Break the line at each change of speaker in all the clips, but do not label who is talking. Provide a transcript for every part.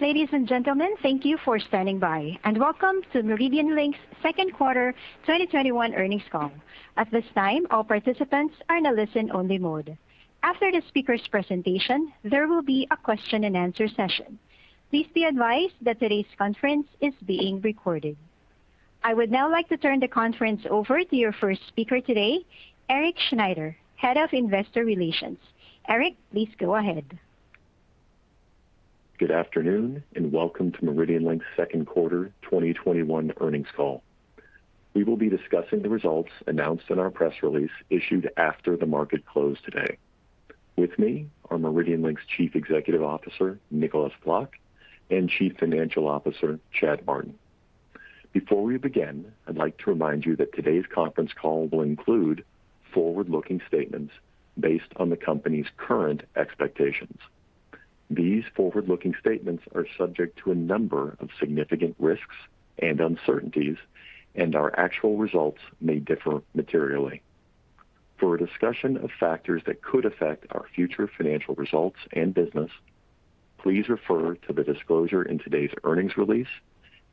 Ladies and gentlemen, thank you for standing by and welcome to MeridianLink's second quarter 2021 earnings call. At this time, all participants are in a listen-only mode. After the speakers' presentation, there will be a question-and-answer session. Please be advised that today's conference is being recorded. I would now like to turn the conference over to your first speaker today, Erik Schneider, Head of Investor Relations. Erik, please go ahead.
Good afternoon, and welcome to MeridianLink's second quarter 2021 earnings call. We will be discussing the results announced in our press release issued after the market close today. With me are MeridianLink's Chief Executive Officer, Nicolaas Vlok, and Chief Financial Officer, Chad Martin. Before we begin, I'd like to remind you that today's conference call will include forward-looking statements based on the company's current expectations. These forward-looking statements are subject to a number of significant risks and uncertainties, and our actual results may differ materially. For a discussion of factors that could affect our future financial results and business, please refer to the disclosure in today's earnings release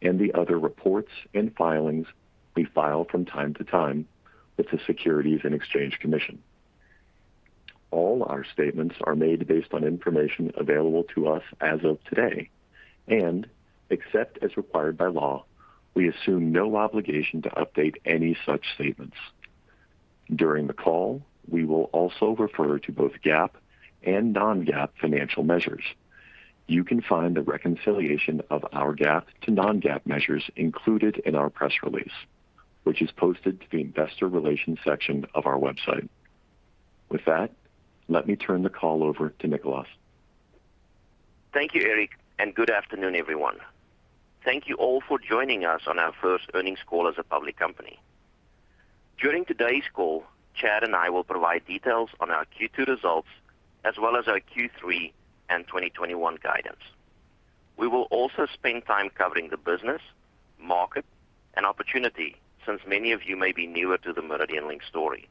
and the other reports and filings we file from time to time with the Securities and Exchange Commission. All our statements are made based on information available to us as of today. Except as required by law, we assume no obligation to update any such statements. During the call, we will also refer to both GAAP and non-GAAP financial measures. You can find the reconciliation of our GAAP to non-GAAP measures included in our press release, which is posted to the investor relations section of our website. With that, let me turn the call over to Nicolaas.
Thank you, Erik, good afternoon, everyone. Thank you all for joining us on our first earnings call as a public company. During today's call, Chad and I will provide details on our Q2 results as well as our Q3 and 2021 guidance. We will also spend time covering the business, market, and opportunity since many of you may be newer to the MeridianLink story.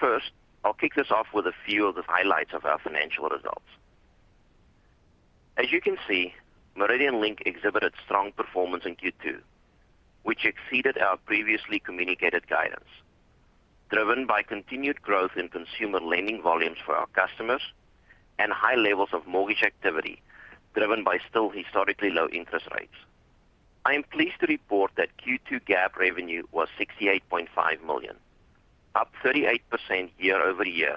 First, I'll kick this off with a few of the highlights of our financial results. As you can see, MeridianLink exhibited strong performance in Q2, which exceeded our previously communicated guidance, driven by continued growth in consumer lending volumes for our customers and high levels of mortgage activity driven by still historically low interest rates. I am pleased to report that Q2 GAAP revenue was $68.5 million, up 38% year-over-year,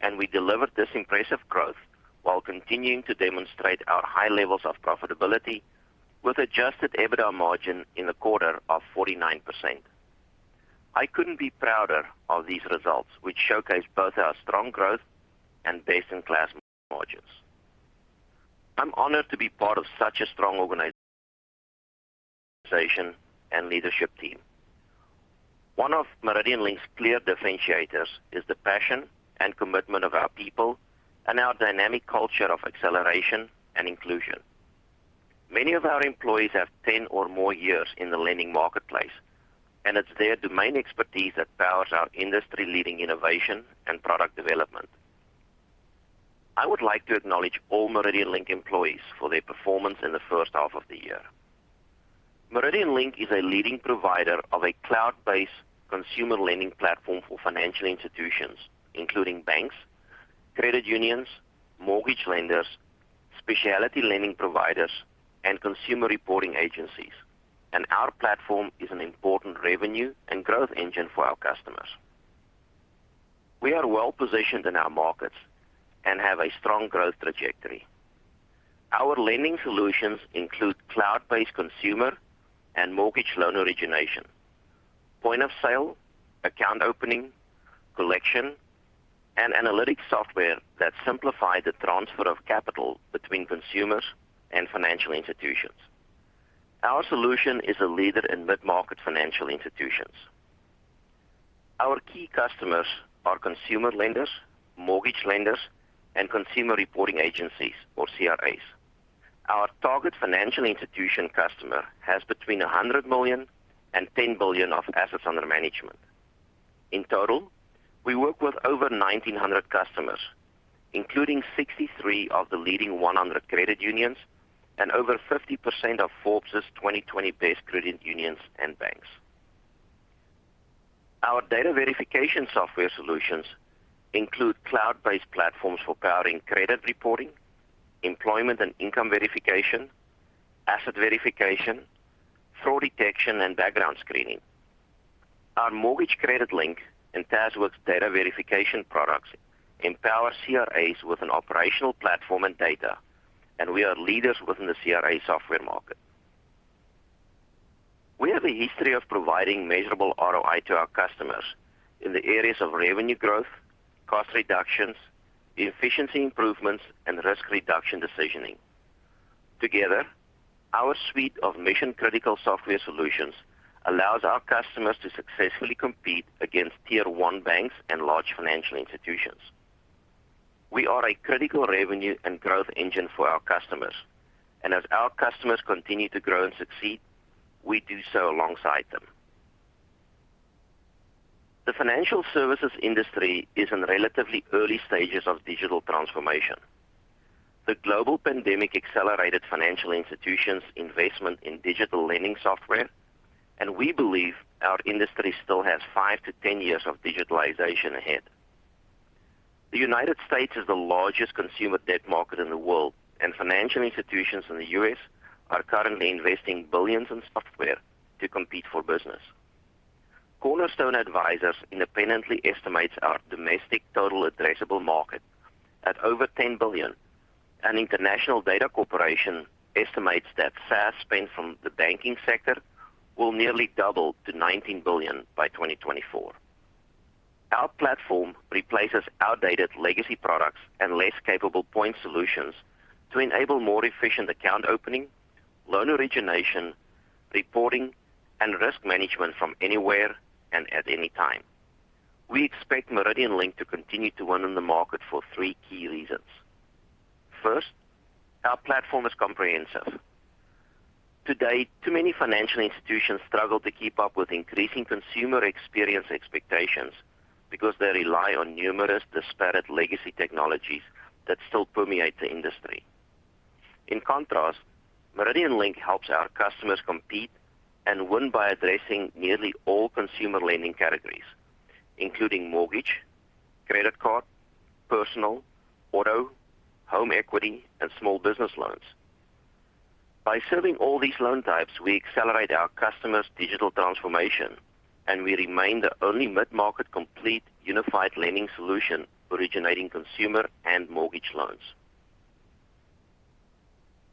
and we delivered this impressive growth while continuing to demonstrate our high levels of profitability with Adjusted EBITDA margin in the quarter of 49%. I couldn't be prouder of these results, which showcase both our strong growth and best-in-class margins. I'm honored to be part of such a strong organization and leadership team. One of MeridianLink's clear differentiators is the passion and commitment of our people and our dynamic culture of acceleration and inclusion. Many of our employees have 10 or more years in the lending marketplace, and it's their domain expertise that powers our industry-leading innovation and product development. I would like to acknowledge all MeridianLink employees for their performance in the first half of the year. MeridianLink is a leading provider of a cloud-based consumer lending platform for financial institutions, including banks, credit unions, mortgage lenders, specialty lending providers, and consumer reporting agencies, and our platform is an important revenue and growth engine for our customers. We are well-positioned in our markets and have a strong growth trajectory. Our lending solutions include cloud-based consumer and mortgage loan origination, point-of-sale, account opening, collection, and analytics software that simplify the transfer of capital between consumers and financial institutions. Our solution is a leader in mid-market financial institutions. Our key customers are consumer lenders, mortgage lenders, and consumer reporting agencies, or CRAs. Our target financial institution customer has between $100 million and $10 billion of assets under management. In total, we work with over 1,900 customers, including 63 of the leading 100 credit unions and over 50% of Forbes' 2020 Best Credit Unions and Banks. Our data verification software solutions include cloud-based platforms for powering credit reporting, employment and income verification, asset verification, fraud detection, and background screening. Our Mortgage Credit Link and TazWorks data verification products empower CRAs with an operational platform and data, and we are leaders within the CRA software market. We have a history of providing measurable ROI to our customers in the areas of revenue growth, cost reductions, efficiency improvements, and risk reduction decisioning. Together, our suite of mission-critical software solutions allows our customers to successfully compete against Tier 1 banks and large financial institutions. We are a critical revenue and growth engine for our customers, and as our customers continue to grow and succeed, we do so alongside them. The financial services industry is in relatively early stages of digital transformation. The global pandemic accelerated financial institutions' investment in digital lending software. We believe our industry still has 5-10 years of digitalization ahead. The U.S. is the largest consumer debt market in the world. Financial institutions in the U.S. are currently investing billions of dollars in software to compete for business. Cornerstone Advisors independently estimates our domestic total addressable market at over $10 billion. International Data Corporation estimates that SaaS spend from the banking sector will nearly double to $19 billion by 2024. Our platform replaces outdated legacy products and less capable point solutions to enable more efficient account opening, loan origination, reporting, and risk management from anywhere and at any time. We expect MeridianLink to continue to win in the market for three key reasons. First, our platform is comprehensive. Today, too many financial institutions struggle to keep up with increasing consumer experience expectations because they rely on numerous disparate legacy technologies that still permeate the industry. In contrast, MeridianLink helps our customers compete and win by addressing nearly all consumer lending categories, including mortgage, credit card, personal, auto, home equity, and small business loans. By serving all these loan types, we accelerate our customers' digital transformation, and we remain the only mid-market complete unified lending solution originating consumer and mortgage loans.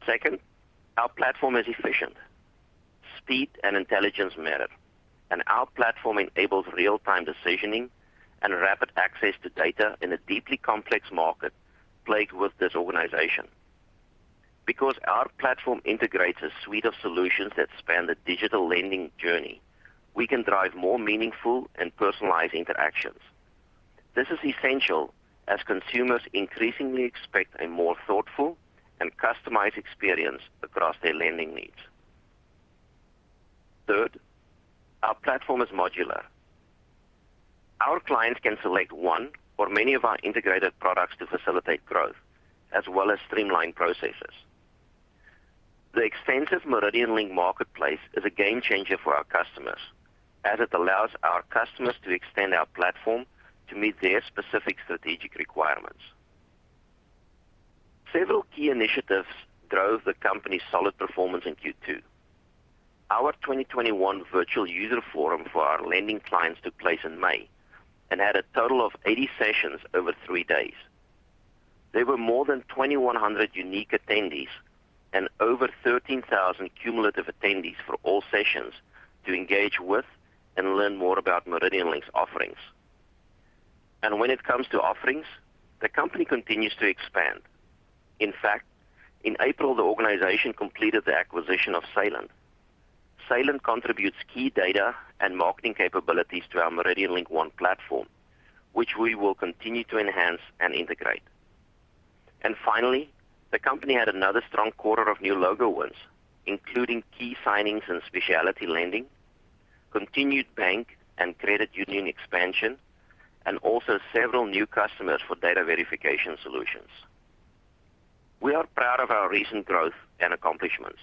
Second, our platform is efficient. Speed and intelligence matter, and our platform enables real-time decisioning and rapid access to data in a deeply complex market plagued with disorganization. Because our platform integrates a suite of solutions that span the digital lending journey, we can drive more meaningful and personalized interactions. This is essential as consumers increasingly expect a more thoughtful and customized experience across their lending needs. Third, our platform is modular. Our clients can select one or many of our integrated products to facilitate growth as well as streamline processes. The extensive MeridianLink Marketplace is a game changer for our customers, as it allows our customers to extend our platform to meet their specific strategic requirements. Several key initiatives drove the company's solid performance in Q2. Our 2021 virtual user forum for our lending clients took place in May and had a total of 80 sessions over three days. There were more than 2,100 unique attendees and over 13,000 cumulative attendees for all sessions to engage with and learn more about MeridianLink's offerings. When it comes to offerings, the company continues to expand. In fact, in April, the organization completed the acquisition of Saylent. Saylent contributes key data and marketing capabilities to our MeridianLink One platform, which we will continue to enhance and integrate. Finally, the company had another strong quarter of new logo wins, including key signings in specialty lending, continued bank and credit union expansion, and also several new customers for data verification solutions. We are proud of our recent growth and accomplishments,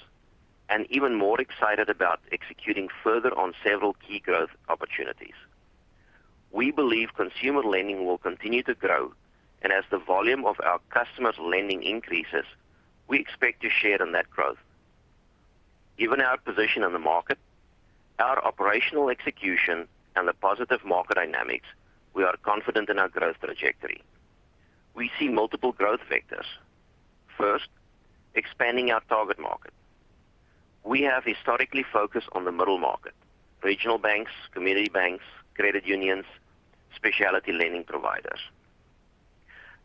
and even more excited about executing further on several key growth opportunities. We believe consumer lending will continue to grow, and as the volume of our customers' lending increases, we expect to share in that growth. Given our position in the market, our operational execution, and the positive market dynamics, we are confident in our growth trajectory. We see multiple growth vectors. First, expanding our target market. We have historically focused on the middle market, regional banks, community banks, credit unions, specialty lending providers.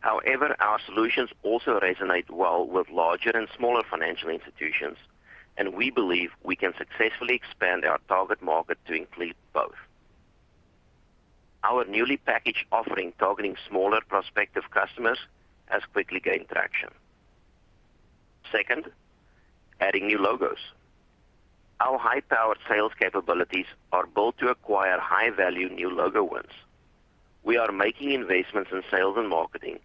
However, our solutions also resonate well with larger and smaller financial institutions, and we believe we can successfully expand our target market to include both. Our newly packaged offering targeting smaller prospective customers has quickly gained traction. Second, adding new logos. Our high-powered sales capabilities are built to acquire high-value new logo wins. We are making investments in sales and marketing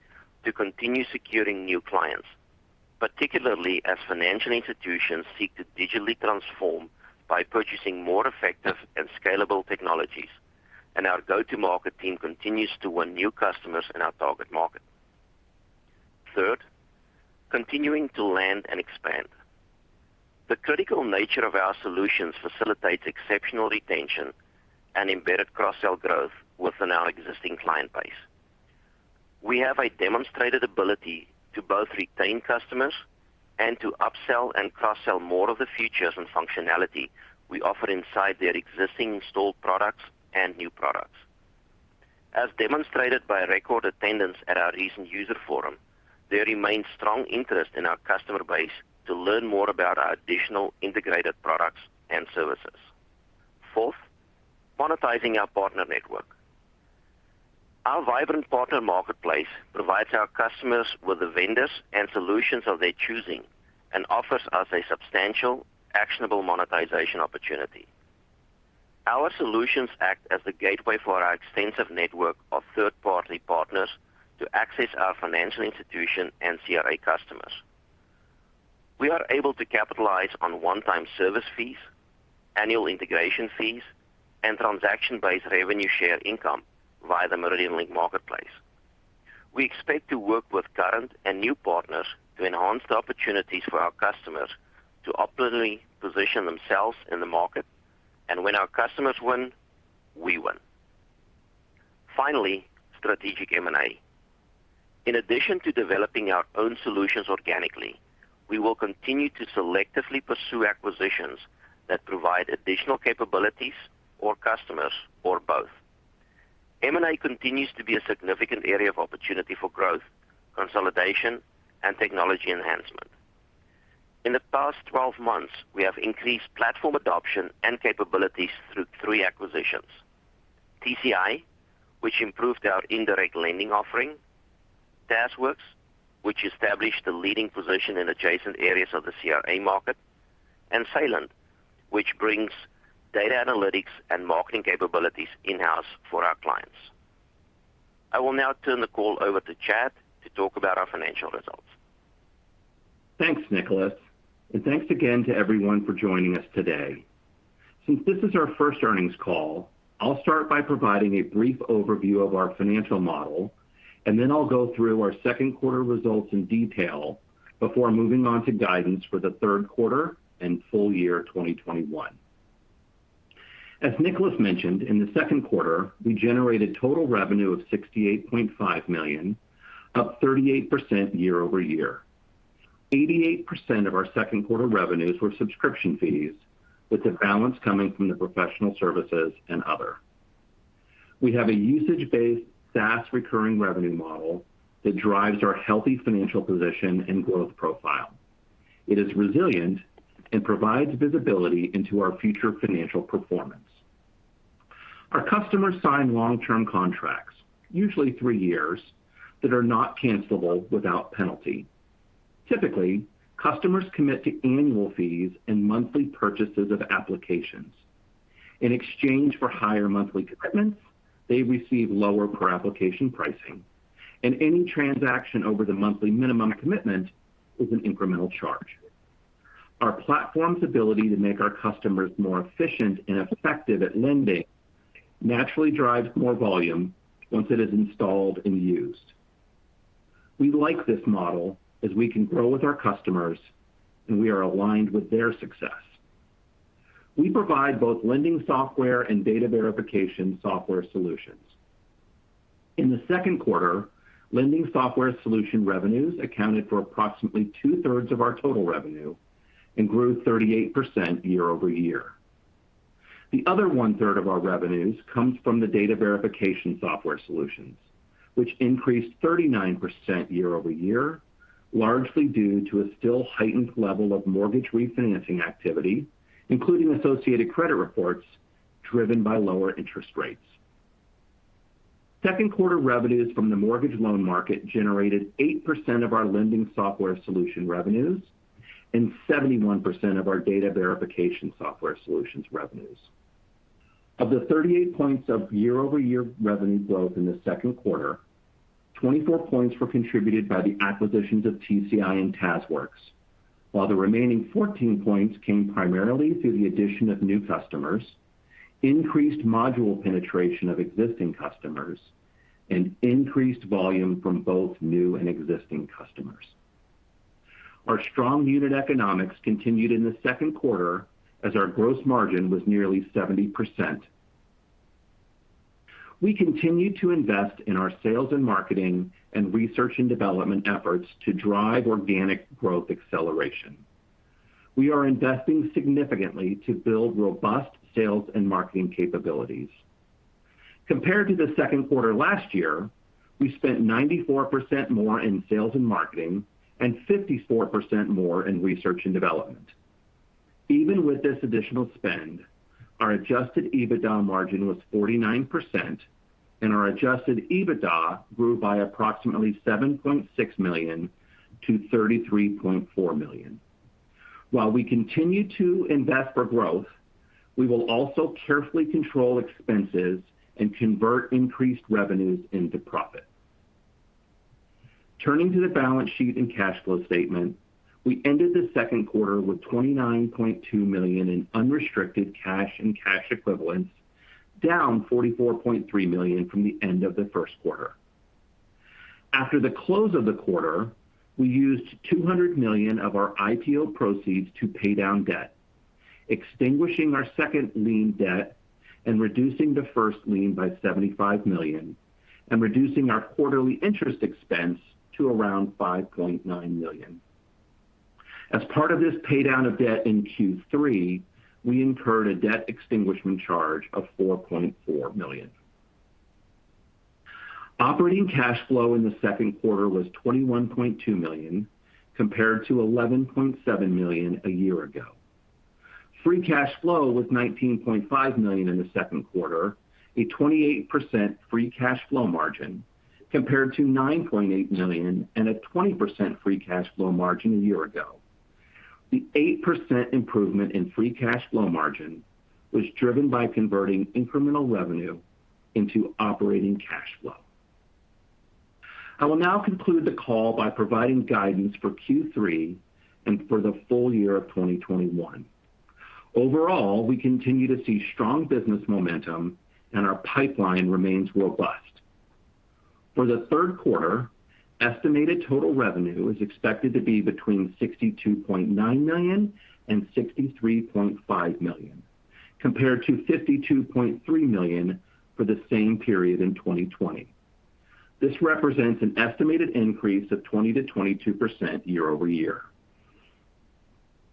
to continue securing new clients, particularly as financial institutions seek to digitally transform by purchasing more effective and scalable technologies. Our go-to-market team continues to win new customers in our target market. Third, continuing to land and expand. The critical nature of our solutions facilitates exceptional retention and embedded cross-sell growth within our existing client base. We have a demonstrated ability to both retain customers and to upsell and cross-sell more of the features and functionality we offer inside their existing installed products and new products. As demonstrated by record attendance at our recent user forum, there remains strong interest in our customer base to learn more about our additional integrated products and services. Fourth, monetizing our partner network. Our vibrant partner marketplace provides our customers with the vendors and solutions of their choosing and offers us a substantial, actionable monetization opportunity. Our solutions act as the gateway for our extensive network of third-party partners to access our financial institution and CRA customers. We are able to capitalize on one-time service fees, annual integration fees, and transaction-based revenue share income via the MeridianLink Marketplace. We expect to work with current and new partners to enhance the opportunities for our customers to optimally position themselves in the market. When our customers win, we win. Finally, strategic M&A. In addition to developing our own solutions organically, we will continue to selectively pursue acquisitions that provide additional capabilities or customers or both. M&A continues to be a significant area of opportunity for growth, consolidation, and technology enhancement. In the past 12 months, we have increased platform adoption and capabilities through three acquisitions. TCI, which improved our indirect lending offering, TazWorks, which established a leading position in adjacent areas of the CRA market, and Saylent, which brings data analytics and marketing capabilities in-house for our clients. I will now turn the call over to Chad to talk about our financial results.
Thanks, Nicolaas. Thanks again to everyone for joining us today. Since this is our first earnings call, I'll start by providing a brief overview of our financial model, then I'll go through our second quarter results in detail before moving on to guidance for the third quarter and full year 2021. As Nicolaas mentioned, in the second quarter, we generated total revenue of $68.5 million, up 38% year-over-year. 88% of our second quarter revenues were subscription fees, with the balance coming from the professional services and other. We have a usage-based SaaS recurring revenue model that drives our healthy financial position and growth profile. It is resilient and provides visibility into our future financial performance. Our customers sign long-term contracts, usually three years, that are not cancelable without penalty. Typically, customers commit to annual fees and monthly purchases of applications. In exchange for higher monthly commitments, they receive lower per-application pricing, and any transaction over the monthly minimum commitment is an incremental charge. Our platform's ability to make our customers more efficient and effective at lending naturally drives more volume once it is installed and used. We like this model as we can grow with our customers, and we are aligned with their success. We provide both lending software and data verification software solutions. In the second quarter, lending software solution revenues accounted for approximately two-thirds of our total revenue and grew 38% year-over-year. The other one-third of our revenues comes from the data verification software solutions, which increased 39% year-over-year, largely due to a still heightened level of mortgage refinancing activity, including associated credit reports driven by lower interest rates. Second quarter revenues from the mortgage loan market generated 8% of our lending software solution revenues and 71% of our data verification software solutions revenues. Of the 38 points of year-over-year revenue growth in the second quarter, 24 points were contributed by the acquisitions of TCI and TazWorks, while the remaining 14 points came primarily through the addition of new customers, increased module penetration of existing customers, and increased volume from both new and existing customers. Our strong unit economics continued in the second quarter as our gross margin was nearly 70%. We continue to invest in our sales and marketing and research and development efforts to drive organic growth acceleration. We are investing significantly to build robust sales and marketing capabilities. Compared to the second quarter last year, we spent 94% more in sales and marketing and 54% more in research and development. Even with this additional spend, our Adjusted EBITDA margin was 49%, and our Adjusted EBITDA grew by approximately $7.6 million to $33.4 million. While we continue to invest for growth, we will also carefully control expenses and convert increased revenues into profit. Turning to the balance sheet and cash flow statement, we ended the second quarter with $29.2 million in unrestricted cash and cash equivalents, down $44.3 million from the end of the first quarter. After the close of the quarter, we used $200 million of our IPO proceeds to pay down debt, extinguishing our second lien debt and reducing the first lien by $75 million and reducing our quarterly interest expense to around $5.9 million. As part of this pay-down of debt in Q3, we incurred a debt extinguishment charge of $4.4 million. Operating cash flow in the second quarter was $21.2 million, compared to $11.7 million a year ago. Free cash flow was $19.5 million in the second quarter, a 28% free cash flow margin, compared to $9.8 million and a 20% free cash flow margin a year ago. The 8% improvement in free cash flow margin was driven by converting incremental revenue into operating cash flow. I will now conclude the call by providing guidance for Q3 and for the full year of 2021. Overall, we continue to see strong business momentum, and our pipeline remains robust. For the third quarter, estimated total revenue is expected to be between $62.9 million and $63.5 million, compared to $52.3 million for the same period in 2020. This represents an estimated increase of 20%-22% year-over-year.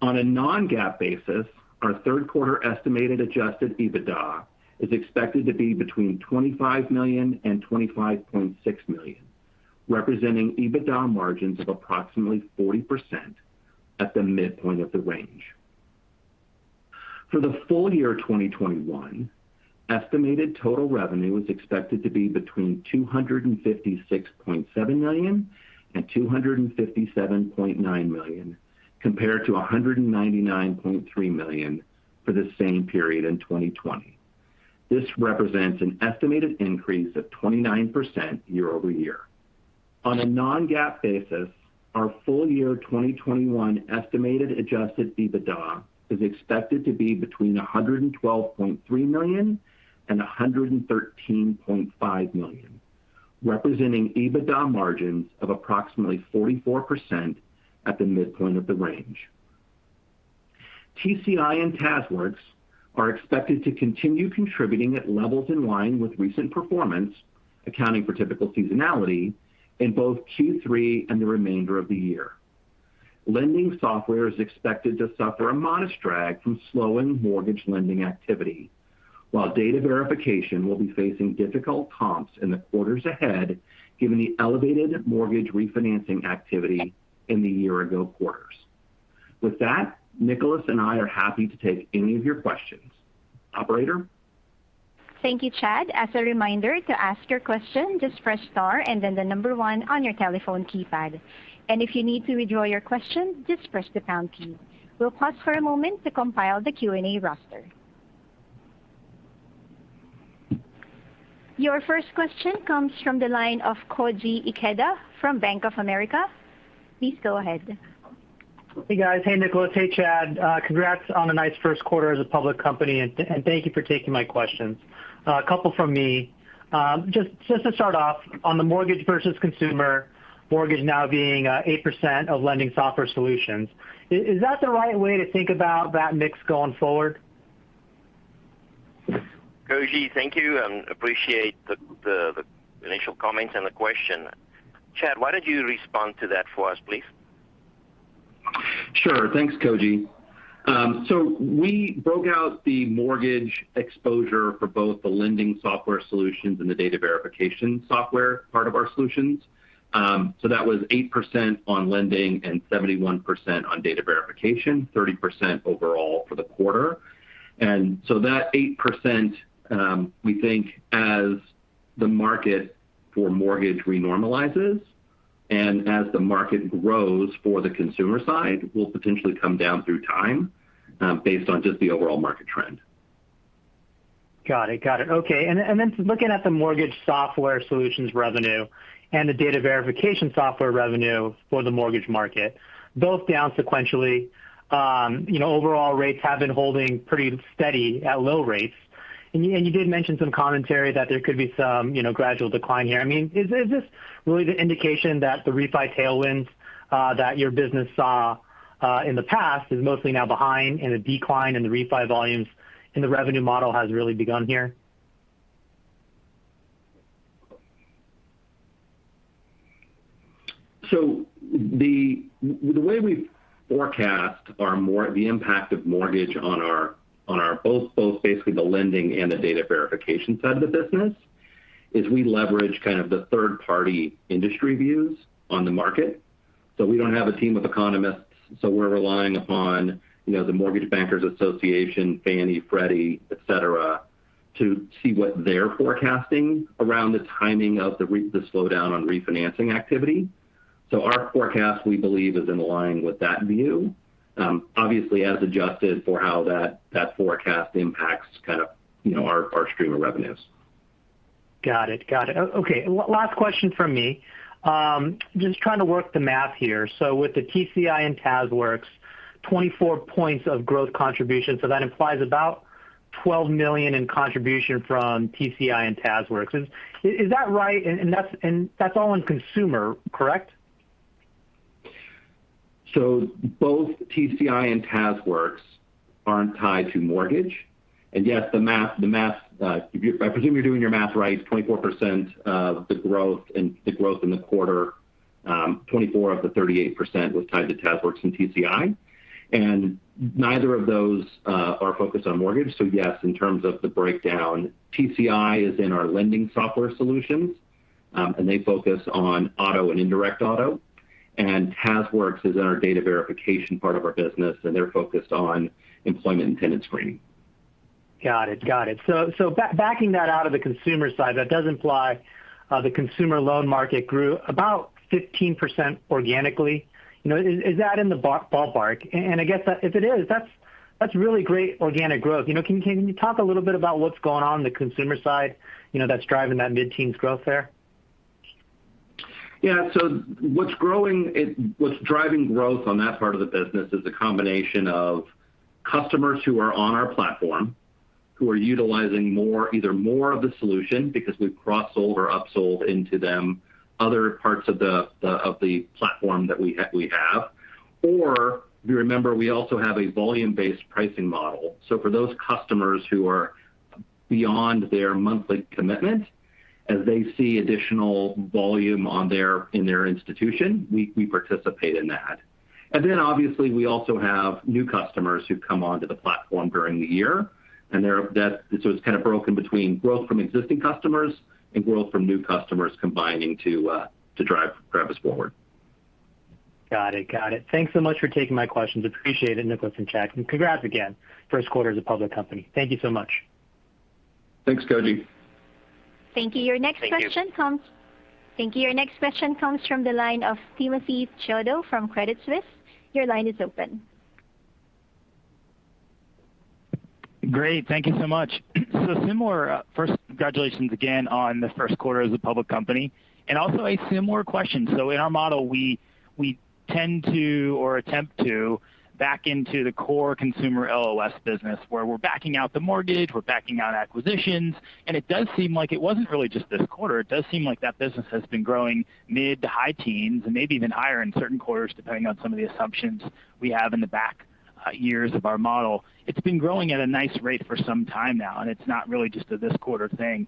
On a non-GAAP basis, our third quarter estimated Adjusted EBITDA is expected to be between $25 million and $25.6 million, representing EBITDA margins of approximately 40% at the midpoint of the range. For the full year 2021, estimated total revenue is expected to be between $256.7 million and $257.9 million, compared to $199.3 million for the same period in 2020. This represents an estimated increase of 29% year-over-year. On a non-GAAP basis, our full year 2021 estimated Adjusted EBITDA is expected to be between $112.3 million and $113.5 million, representing EBITDA margins of approximately 44% at the midpoint of the range. TCI and TazWorks are expected to continue contributing at levels in line with recent performance, accounting for typical seasonality in both Q3 and the remainder of the year. Lending software is expected to suffer a modest drag from slowing mortgage lending activity. While data verification will be facing difficult comps in the quarters ahead, given the elevated mortgage refinancing activity in the year-ago quarters. With that, Nicolaas and I are happy to take any of your questions. Operator?
Thank you, Chad. As a reminder, to ask your question, just press star and then the number one on your telephone keypad. If you need to withdraw your question, just press the pound key. We'll pause for a moment to compile the Q&A roster. Your first question comes from the line of Koji Ikeda from Bank of America. Please go ahead.
Hey, guys. Hey, Nicolaas. Hey, Chad. Congrats on a nice first quarter as a public company, and thank you for taking my questions. A couple from me. Just to start off, on the mortgage versus consumer, mortgage now being 8% of lending software solutions, is that the right way to think about that mix going forward?
Koji, thank you, and appreciate the initial comments and the question. Chad, why don't you respond to that for us, please?
Sure. Thanks, Koji. We broke out the mortgage exposure for both the lending software solutions and the data verification software part of our solutions. That was 8% on lending and 71% on data verification, 30% overall for the quarter. That 8%, we think as the market for mortgage re-normalizes and as the market grows for the consumer side, will potentially come down through time based on just the overall market trend.
Got it. Okay. Looking at the mortgage software solutions revenue and the data verification software revenue for the mortgage market, both down sequentially. Overall rates have been holding pretty steady at low rates. You did mention some commentary that there could be some gradual decline here. Is this really the indication that the refi tailwinds that your business saw in the past is mostly now behind in a decline in the refi volumes and the revenue model has really begun here?
The way we forecast the impact of mortgage on both basically the lending and the data verification side of the business is we leverage kind of the third-party industry views on the market. We don't have a team of economists, so we're relying upon the Mortgage Bankers Association, Fannie, Freddie, et cetera, to see what they're forecasting around the timing of the slowdown on refinancing activity. Our forecast, we believe, is in line with that view. Obviously, as adjusted for how that forecast impacts kind of our stream of revenues.
Got it. Okay. Last question from me. Just trying to work the math here. With the TCI and TazWorks, 24 points of growth contribution. That implies about $12 million in contribution from TCI and TazWorks. Is that right? That's all on consumer, correct?
Both TCI and TazWorks aren't tied to mortgage. Yes, I presume you're doing your math right, 24% of the growth in the quarter, 24 of the 38% was tied to TazWorks and TCI. Neither of those are focused on mortgage. Yes, in terms of the breakdown, TCI is in our lending software solutions, and they focus on auto and indirect auto. TazWorks is in our data verification part of our business, and they're focused on employment and tenant screening.
Got it. Backing that out of the consumer side, that does imply the consumer loan market grew about 15% organically. Is that in the ballpark? And I guess if it is, that's really great organic growth. Can you talk a little bit about what's going on in the consumer side that's driving that mid-teens growth there?
Yeah. What's driving growth on that part of the business is a combination of customers who are on our platform who are utilizing either more of the solution because we've cross-sold, upsold into them other parts of the platform that we have. If you remember, we also have a volume-based pricing model. For those customers who are beyond their monthly commitment, as they see additional volume in their institution, we participate in that. Obviously, we also have new customers who've come onto the platform during the year. It's kind of broken between growth from existing customers and growth from new customers combining to drive us forward.
Got it. Thanks so much for taking my questions. Appreciate it, Nicolaas and Chad, and congrats again, first quarter as a public company. Thank you so much.
Thanks, Koji. Thank you.
Thank you.
Your next question comes from the line of Timothy Chiodo from Credit Suisse. Your line is open.
Great. Thank you so much. First, congratulations again on the first quarter as a public company, and also a similar question. In our model we tend to or attempt to back into the core consumer LOS business, where we're backing out the mortgage, we're backing out acquisitions, and it does seem like it wasn't really just this quarter. It does seem like that business has been growing mid to high teens, and maybe even higher in certain quarters, depending on some of the assumptions we have in the back years of our model. It's been growing at a nice rate for some time now, and it's not really just a this-quarter thing.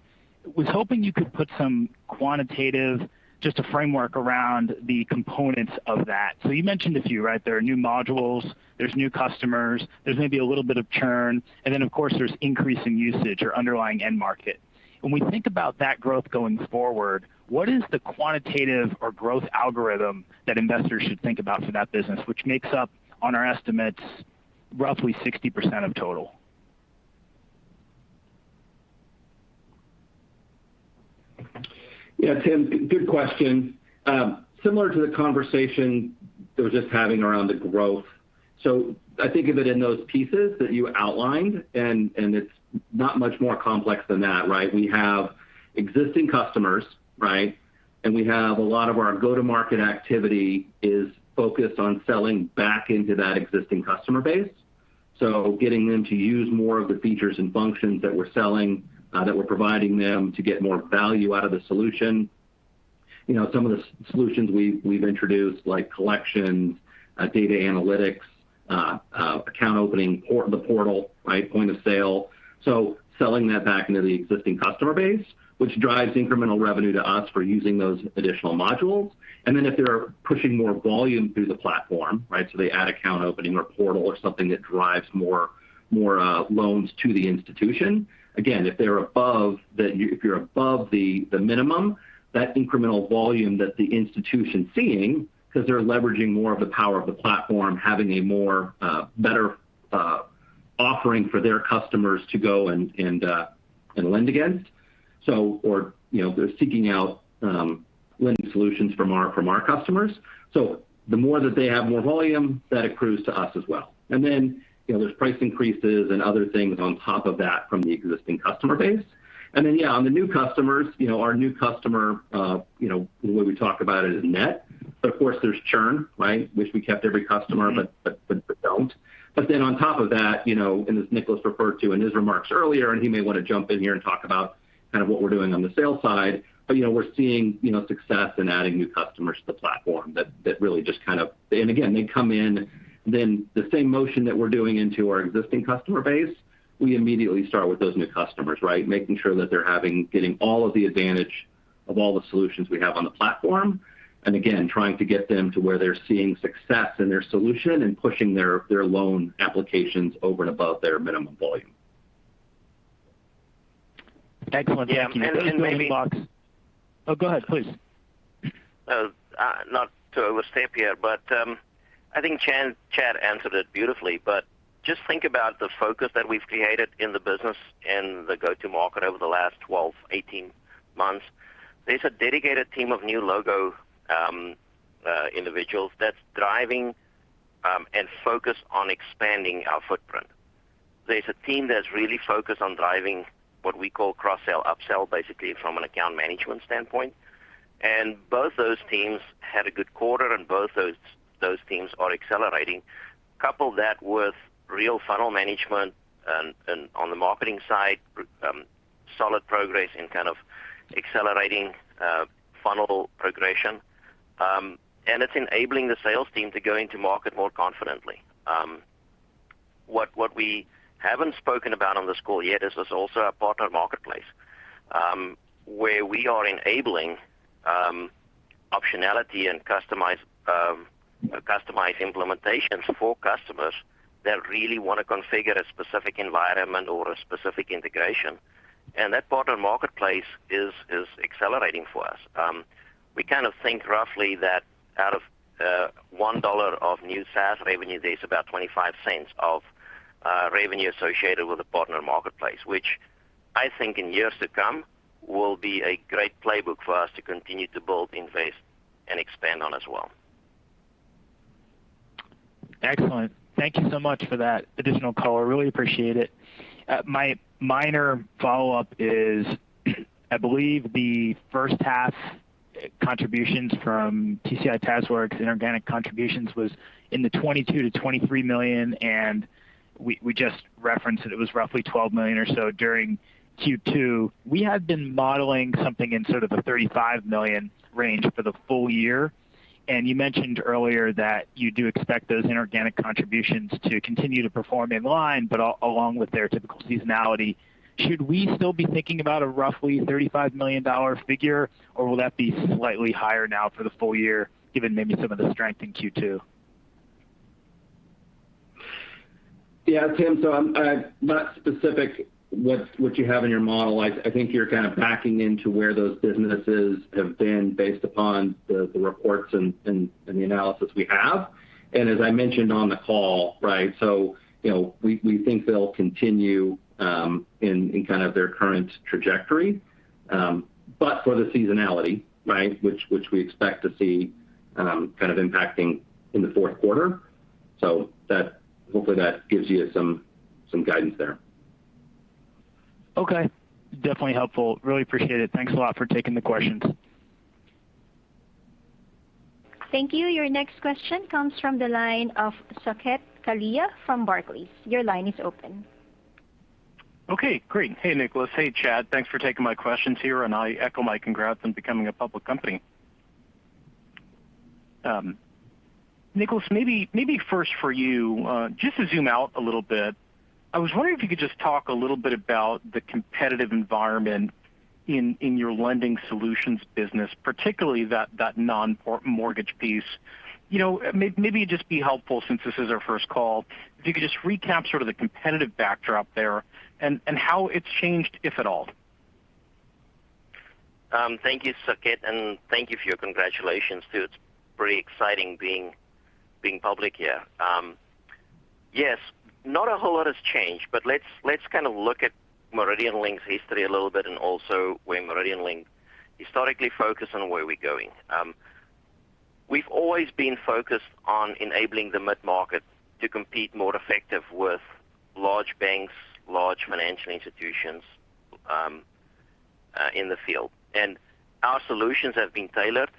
Was hoping you could put some quantitative, just a framework around the components of that. You mentioned a few, right? There are new modules, there's new customers, there's maybe a little bit of churn, and then, of course, there's increasing usage or underlying end market. When we think about that growth going forward, what is the quantitative or growth algorithm that investors should think about for that business, which makes up, on our estimates, roughly 60% of total?
Yeah, Tim, good question. Similar to the conversation that we're just having around the growth. I think of it in those pieces that you outlined, and it's not much more complex than that, right? We have existing customers, right? We have a lot of our go-to-market activity is focused on selling back into that existing customer base. Getting them to use more of the features and functions that we're selling, that we're providing them to get more value out of the solution. Some of the solutions we've introduced, like collections, data analytics, account opening, the portal, right, point-of-sale. Selling that back into the existing customer base, which drives incremental revenue to us for using those additional modules. If they're pushing more volume through the platform, right? They add account opening or portal or something that drives more loans to the institution. If you're above the minimum, that incremental volume that the institution's seeing because they're leveraging more of the power of the platform, having a better offering for their customers to go and lend against. They're seeking out lending solutions from our customers. The more that they have more volume, that accrues to us as well. There's price increases and other things on top of that from the existing customer base. Yeah, on the new customers, our new customer, the way we talk about it is net. Of course there's churn, right? I wish we kept every customer. Don't. On top of that, as Nicolaas referred to in his remarks earlier, he may want to jump in here and talk about kind of what we're doing on the sales side. We're seeing success in adding new customers to the platform that really just kind of, again, they come in, then the same motion that we're doing into our existing customer base, we immediately start with those new customers, right? Making sure that they're getting all of the advantage of all the solutions we have on the platform. Again, trying to get them to where they're seeing success in their solution and pushing their loan applications over and above their minimum volume.
Excellent. Thank you. Yeah.
That was great, Chad. Oh, go ahead, please.
Not to overstep here, I think Chad answered it beautifully. Just think about the focus that we've created in the business and the go-to market over the last 12-18 months. There's a dedicated team of new logo individuals that's driving and focused on expanding our footprint. There's a team that's really focused on driving what we call cross-sell, upsell, basically from an account management standpoint. Both those teams had a good quarter, and both those teams are accelerating. Couple that with real funnel management on the marketing side, solid progress in kind of accelerating funnel progression. It's enabling the sales team to go into market more confidently. What we haven't spoken about on this call yet is there's also a partner marketplace, where we are enabling optionality and a customized implementation for customers that really want to configure a specific environment or a specific integration. That partner marketplace is accelerating for us. We think roughly that out of $1 of new SaaS revenue, there's about $0.25 of revenue associated with the partner marketplace, which I think in years to come will be a great playbook for us to continue to build, invest, and expand on as well.
Excellent. Thank you so much for that additional color. Really appreciate it. My minor follow-up is, I believe the first half contributions from TCI and TazWorks, inorganic contributions was in the $22 million-$23 million, and we just referenced that it was roughly $12 million or so during Q2. We had been modeling something in sort of the $35 million range for the full year. You mentioned earlier that you do expect those inorganic contributions to continue to perform in line, but along with their typical seasonality. Should we still be thinking about a roughly $35 million figure, or will that be slightly higher now for the full year, given maybe some of the strength in Q2?
Yeah, Tim, I'm not specific what you have in your model. I think you're kind of backing into where those businesses have been based upon the reports and the analysis we have. As I mentioned on the call, we think they'll continue in their current trajectory. For the seasonality, which we expect to see kind of impacting in the fourth quarter. Hopefully that gives you some guidance there.
Okay. Definitely helpful. Really appreciate it. Thanks a lot for taking the questions.
Thank you. Your next question comes from the line of Saket Kalia from Barclays.
Great. Hey, Nicolaas. Hey, Chad. Thanks for taking my questions here, and I echo my congrats on becoming a public company. Nicolaas, maybe first for you, just to zoom out a little bit. I was wondering if you could just talk a little bit about the competitive environment in your lending solutions business, particularly that non-mortgage piece. Maybe it'd just be helpful, since this is our first call, if you could just recap sort of the competitive backdrop there, and how it's changed, if at all.
Thank you, Saket, and thank you for your congratulations, too. It's pretty exciting being public here. Yes. Not a whole lot has changed, but let's look at MeridianLink's history a little bit and also where MeridianLink historically focus and where we're going. We've always been focused on enabling the mid-market to compete more effective with large banks, large financial institutions in the field. Our solutions have been tailored.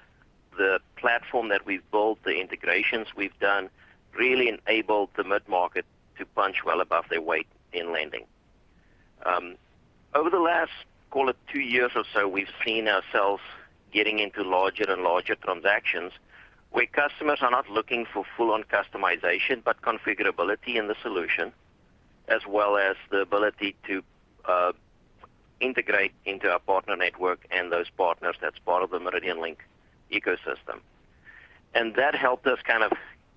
The platform that we've built, the integrations we've done really enabled the mid-market to punch well above their weight in lending. Over the last, call it two years or so, we've seen ourselves getting into larger and larger transactions where customers are not looking for full-on customization, but configurability in the solution as well as the ability to integrate into our partner network and those partners that's part of the MeridianLink ecosystem. That helped us kind of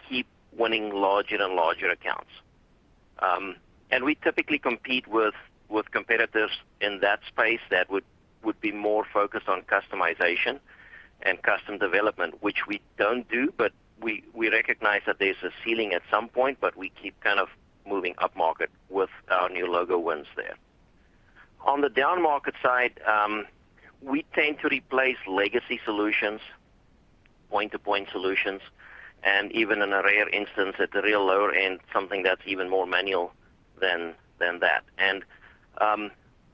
keep winning larger and larger accounts. We typically compete with competitors in that space that would be more focused on customization and custom development, which we don't do. We recognize that there's a ceiling at some point, but we keep kind of moving upmarket with our new logo wins there. On the downmarket side, we tend to replace legacy solutions, point-to-point solutions, and even in a rare instance, at the real lower end, something that's even more manual than that.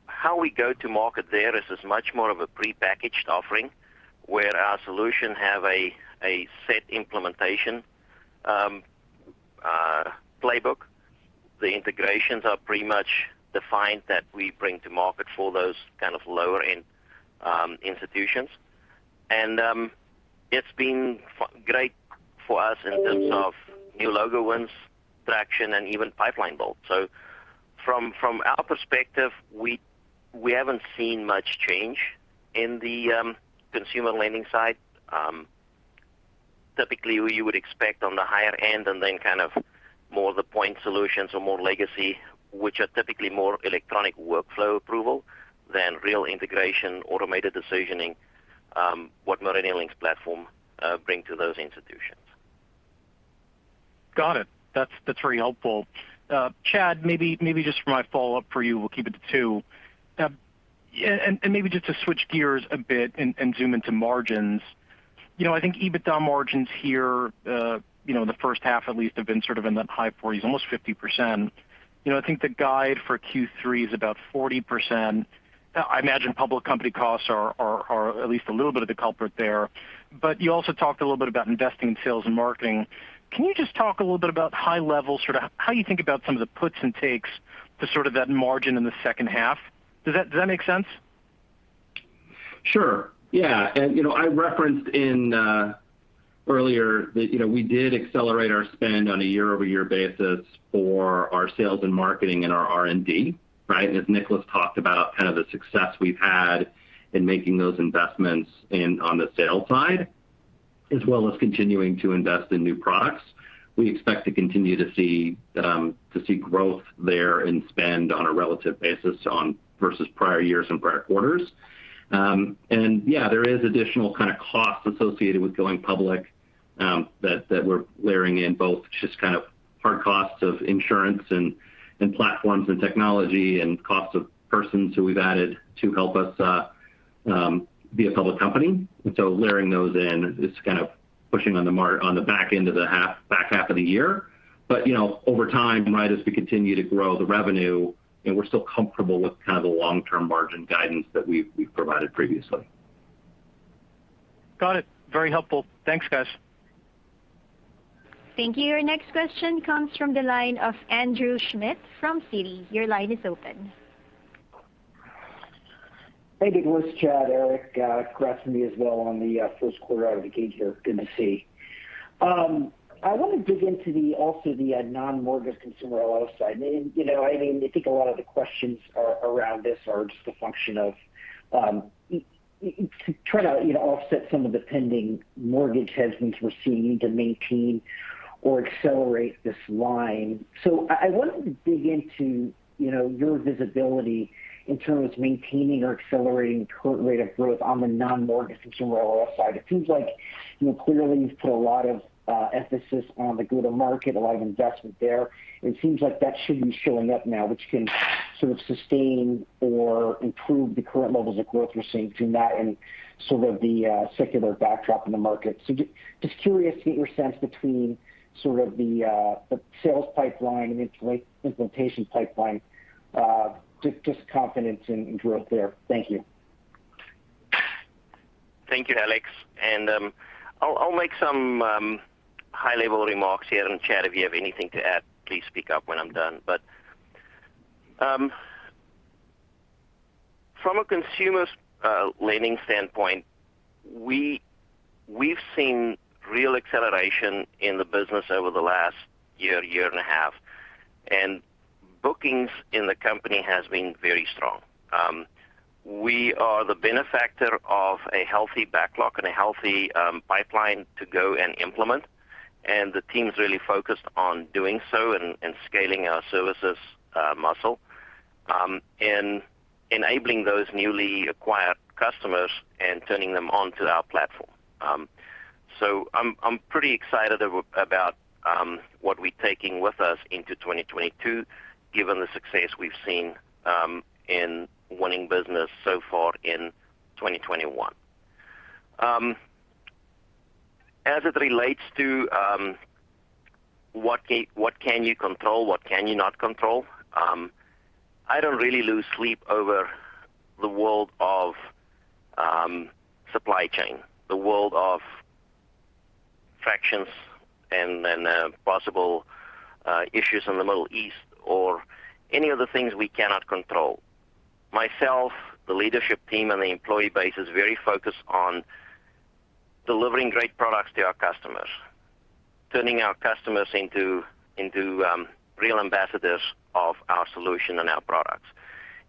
How we go to market there is as much more of a prepackaged offering where our solution have a set implementation playbook. The integrations are pretty much defined that we bring to market for those kind of lower-end institutions. It's been great for us in terms of new logo wins, traction, and even pipeline build. From our perspective, we haven't seen much change in the consumer lending side. Typically, you would expect on the higher end and then kind of more the point solutions or more legacy, which are typically more electronic workflow approval than real integration, automated decisioning, what MeridianLink's platform bring to those institutions.
Got it. That's very helpful. Chad, maybe just for my follow-up for you, we'll keep it to two. Maybe just to switch gears a bit and zoom into margins. I think EBITDA margins here, the first half at least have been sort of in the high 40s, almost 50%. I think the guide for Q3 is about 40%. I imagine public company costs are at least a little bit of the culprit there. You also talked a little bit about investing in sales and marketing. Can you just talk a little bit about high level, sort of how you think about some of the puts and takes to sort of that margin in the second half? Does that make sense?
Sure. Yeah. I referenced in earlier that we did accelerate our spend on a year-over-year basis for our sales and marketing and our R&D, right? As Nicolaas talked about, kind of the success we've had in making those investments on the sales side. As well as continuing to invest in new products. We expect to continue to see growth there and spend on a relative basis on versus prior years and prior quarters. Yeah, there is additional kind of costs associated with going public that we're layering in both, just kind of hard costs of insurance and platforms and technology and cost of persons who we've added to help us be a public company. Layering those in is kind of pushing on the back end of the back half of the year. Over time, right, as we continue to grow the revenue, we're still comfortable with kind of the long-term margin guidance that we've provided previously.
Got it. Very helpful. Thanks, guys.
Thank you. Your next question comes from the line of Andrew Schmidt from Citi.
Hey, Nicolaas, Chad, Erik. Congrats to you as well on the first quarter out of the gate here. Good to see. I want to dig into also the non-mortgage consumer LOS side. I think a lot of the questions around this are just a function of trying to offset some of the pending mortgage headwinds we're seeing to maintain or accelerate this line. I wanted to dig into your visibility in terms of maintaining or accelerating current rate of growth on the non-mortgage consumer LOS side. It seems like clearly you've put a lot of emphasis on the go-to-market, a lot of investment there. It seems like that should be showing up now, which can sort of sustain or improve the current levels of growth you're seeing between that and sort of the secular backdrop in the market. Just curious to get your sense between sort of the sales pipeline and implementation pipeline, just confidence in growth there. Thank you.
Thank you, Alex. I'll make some high-level remarks here, and Chad, if you have anything to add, please speak up when I'm done. From a consumer lending standpoint, we've seen real acceleration in the business over the last year and a half, and bookings in the company has been very strong. We are the benefactor of a healthy backlog and a healthy pipeline to go and implement, and the team's really focused on doing so and scaling our services muscle and enabling those newly acquired customers and turning them on to our platform. I'm pretty excited about what we're taking with us into 2022 given the success we've seen in winning business so far in 2021. As it relates to what can you control, what can you not control, I don't really lose sleep over the world of supply chain, the world of factions and possible issues in the Middle East or any of the things we cannot control. Myself, the leadership team, and the employee base is very focused on delivering great products to our customers. Turning our customers into real ambassadors of our solution and our products.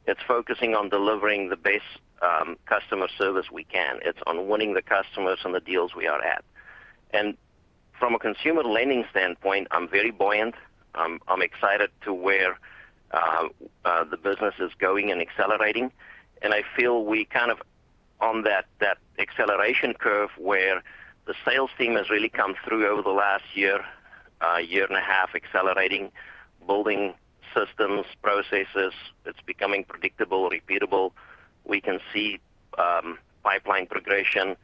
It's focusing on delivering the best customer service we can. It's on winning the customers on the deals we are at. From a consumer lending standpoint, I'm very buoyant. I'm excited to where the business is going and accelerating, and I feel we kind of on that acceleration curve where the sales team has really come through over the last year and a half accelerating, building systems, processes. It's becoming predictable, repeatable. We can see pipeline progression.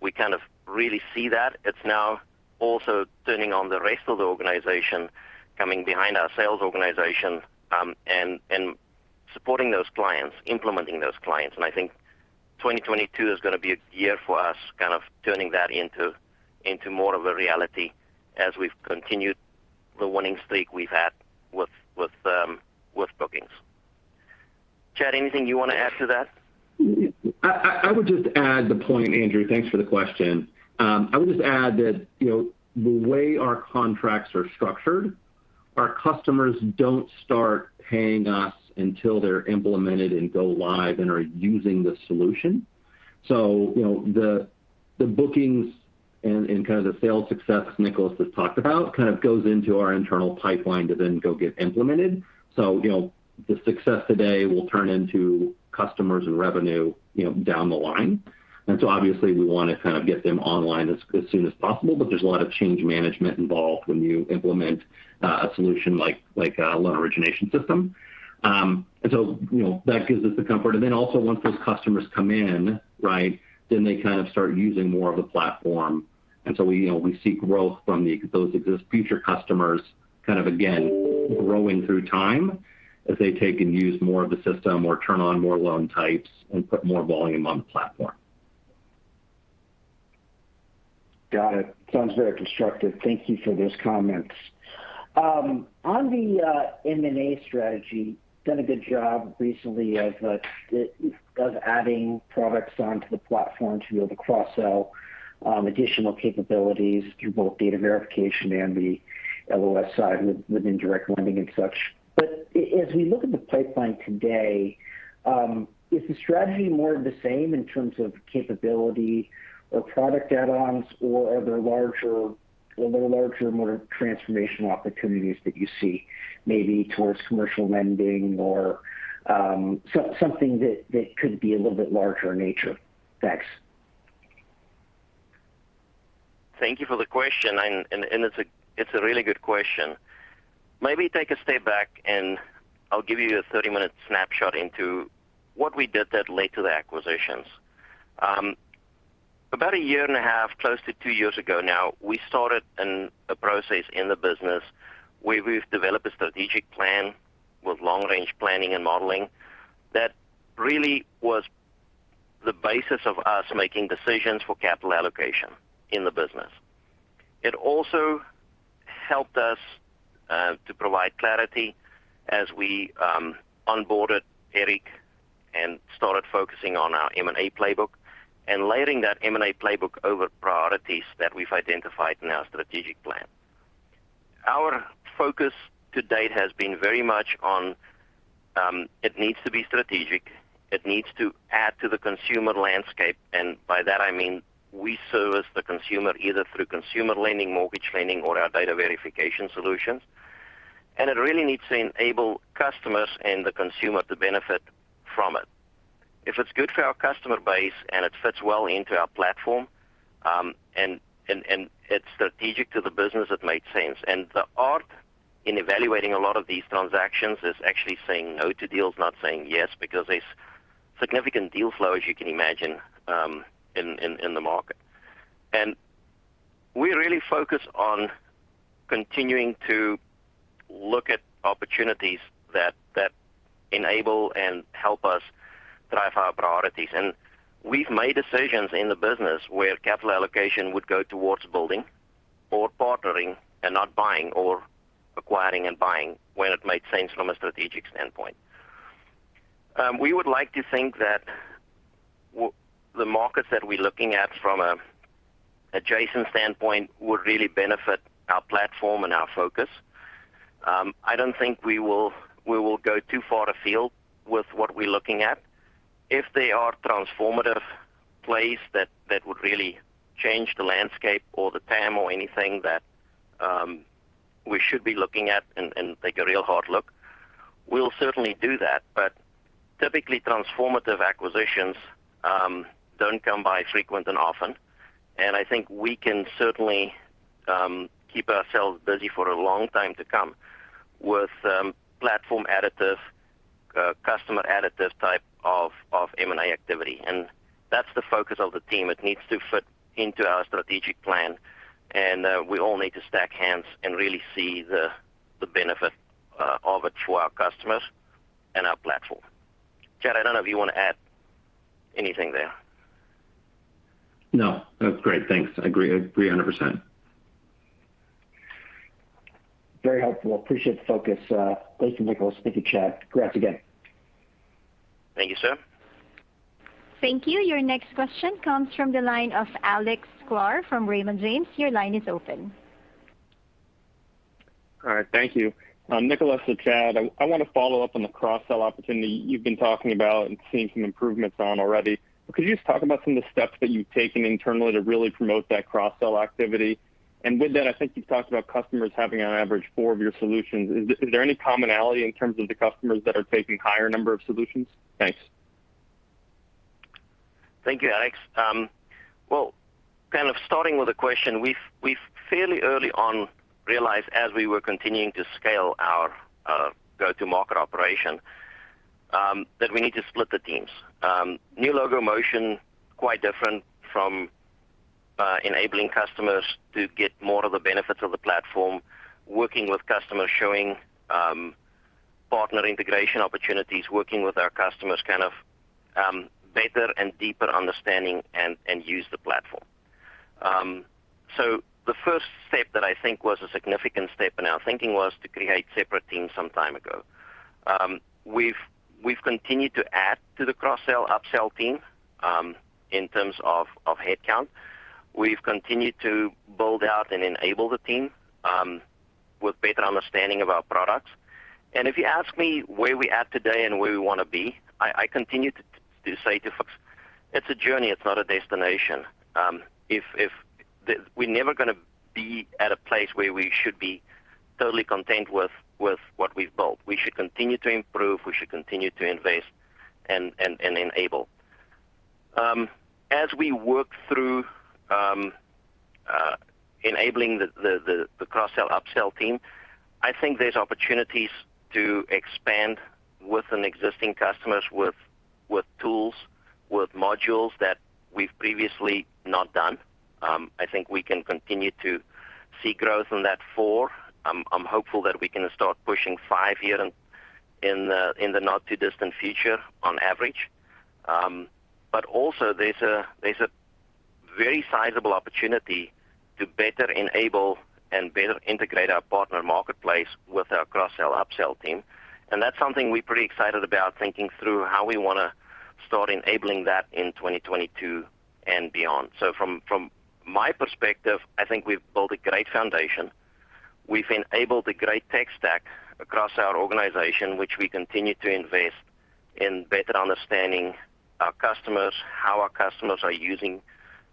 We kind of really see that. It's now also turning on the rest of the organization, coming behind our sales organization, and supporting those clients, implementing those clients. I think 2022 is going to be a year for us kind of turning that into more of a reality as we've continued the winning streak we've had with bookings. Chad, anything you want to add to that?
I would just add the point, Andrew, thanks for the question. I would just add that the way our contracts are structured, our customers don't start paying us until they're implemented and go live and are using the solution. The bookings and kind of the sales success Nicolaas has talked about kind of goes into our internal pipeline to then go get implemented. The success today will turn into customers and revenue down the line. Obviously we want to kind of get them online as soon as possible, but there's a lot of change management involved when you implement a solution like a loan origination system. That gives us the comfort. Once those customers come in, right, then they kind of start using more of the platform. We see growth from those future customers kind of again growing through time as they take and use more of the system or turn on more loan types and put more volume on the platform.
Got it. Sounds very constructive. Thank you for those comments. On the M&A strategy, done a good job recently of adding products onto the platform to be able to cross-sell additional capabilities through both data verification and the LOS side with indirect lending and such. As we look at the pipeline today. Is the strategy more of the same in terms of capability or product add-ons, or are there larger, more transformational opportunities that you see maybe towards commercial lending or something that could be a little bit larger in nature? Thanks.
Thank you for the question. It's a really good question. Maybe take a step back. I'll give you a 30-minute snapshot into what we did that led to the acquisitions. About a year and a half, close to two years ago now, we started a process in the business where we've developed a strategic plan with long-range planning and modeling that really was the basis of us making decisions for capital allocation in the business. It also helped us to provide clarity as we onboarded Erik and started focusing on our M&A playbook and layering that M&A playbook over priorities that we've identified in our strategic plan. Our focus to date has been very much on it needs to be strategic, it needs to add to the consumer landscape. By that I mean we service the consumer either through consumer lending, mortgage lending, or our data verification solutions. It really needs to enable customers and the consumer to benefit from it. If it's good for our customer base and it fits well into our platform, and it's strategic to the business, it made sense. The art in evaluating a lot of these transactions is actually saying no to deals, not saying yes, because there's significant deal flow, as you can imagine, in the market. We really focus on continuing to look at opportunities that enable and help us drive our priorities. We've made decisions in the business where capital allocation would go towards building or partnering and not buying or acquiring and buying when it made sense from a strategic standpoint. We would like to think that the markets that we're looking at from an adjacent standpoint would really benefit our platform and our focus. I don't think we will go too far afield with what we're looking at. If they are transformative plays that would really change the landscape or the TAM or anything that we should be looking at and take a real hard look, we'll certainly do that. Typically, transformative acquisitions don't come by frequent and often, and I think we can certainly keep ourselves busy for a long time to come with platform additive, customer additive type of M&A activity. That's the focus of the team. It needs to fit into our strategic plan, and we all need to stack hands and really see the benefit of it for our customers and our platform. Chad, I don't know if you want to add anything there.
No, that's great. Thanks. I agree. I agree 100%.
Very helpful. Appreciate the focus. Thank you, Nicolaas. Thank you, Chad. Congrats again.
Thank you, sir.
Thank you. Your next question comes from the line of Alexander Sklar from Raymond James. Your line is open.
All right. Thank you. Nicolaas or Chad, I want to follow up on the cross-sell opportunity you've been talking about and seeing some improvements on already. Could you just talk about some of the steps that you've taken internally to really promote that cross-sell activity? With that, I think you've talked about customers having, on average, four of your solutions. Is there any commonality in terms of the customers that are taking higher number of solutions? Thanks.
Thank you, Alex. Well, kind of starting with a question, we've fairly early on realized as we were continuing to scale our go-to market operation that we need to split the teams. New logo motion, quite different from enabling customers to get more of the benefits of the platform. Working with customers, showing partner integration opportunities. Working with our customers, kind of better and deeper understanding and use the platform. The first step that I think was a significant step in our thinking was to create separate teams some time ago. We've continued to add to the cross-sell, upsell team in terms of headcount. We've continued to build out and enable the team with better understanding of our products. If you ask me where we're at today and where we want to be, I continue to say to folks, It's a journey. It's not a destination. We're never going to be at a place where we should be totally content with what we've built. We should continue to improve, we should continue to invest and enable. As we work through enabling the cross-sell, upsell team, I think there's opportunities to expand within existing customers with tools, with modules that we've previously not done. I think we can continue to see growth on that four. I'm hopeful that we can start pushing five here in the not too distant future on average. Also, there's a very sizable opportunity to better enable and better integrate our partner marketplace with our cross-sell, upsell team. That's something we're pretty excited about, thinking through how we want to start enabling that in 2022 and beyond. From my perspective, I think we've built a great foundation. We've enabled a great tech stack across our organization, which we continue to invest in better understanding our customers, how our customers are using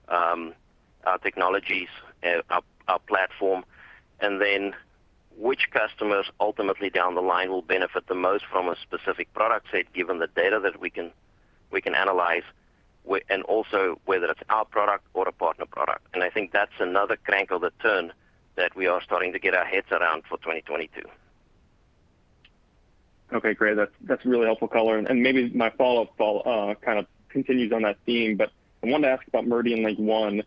our technologies and our platform, and then which customers ultimately down the line will benefit the most from a specific product set, given the data that we can analyze, and also whether it's our product or a partner product. I think that's another crank of the turn that we are starting to get our heads around for 2022.
Okay, great. That's really helpful color. Maybe my follow-up kind of continues on that theme, but I wanted to ask about MeridianLink One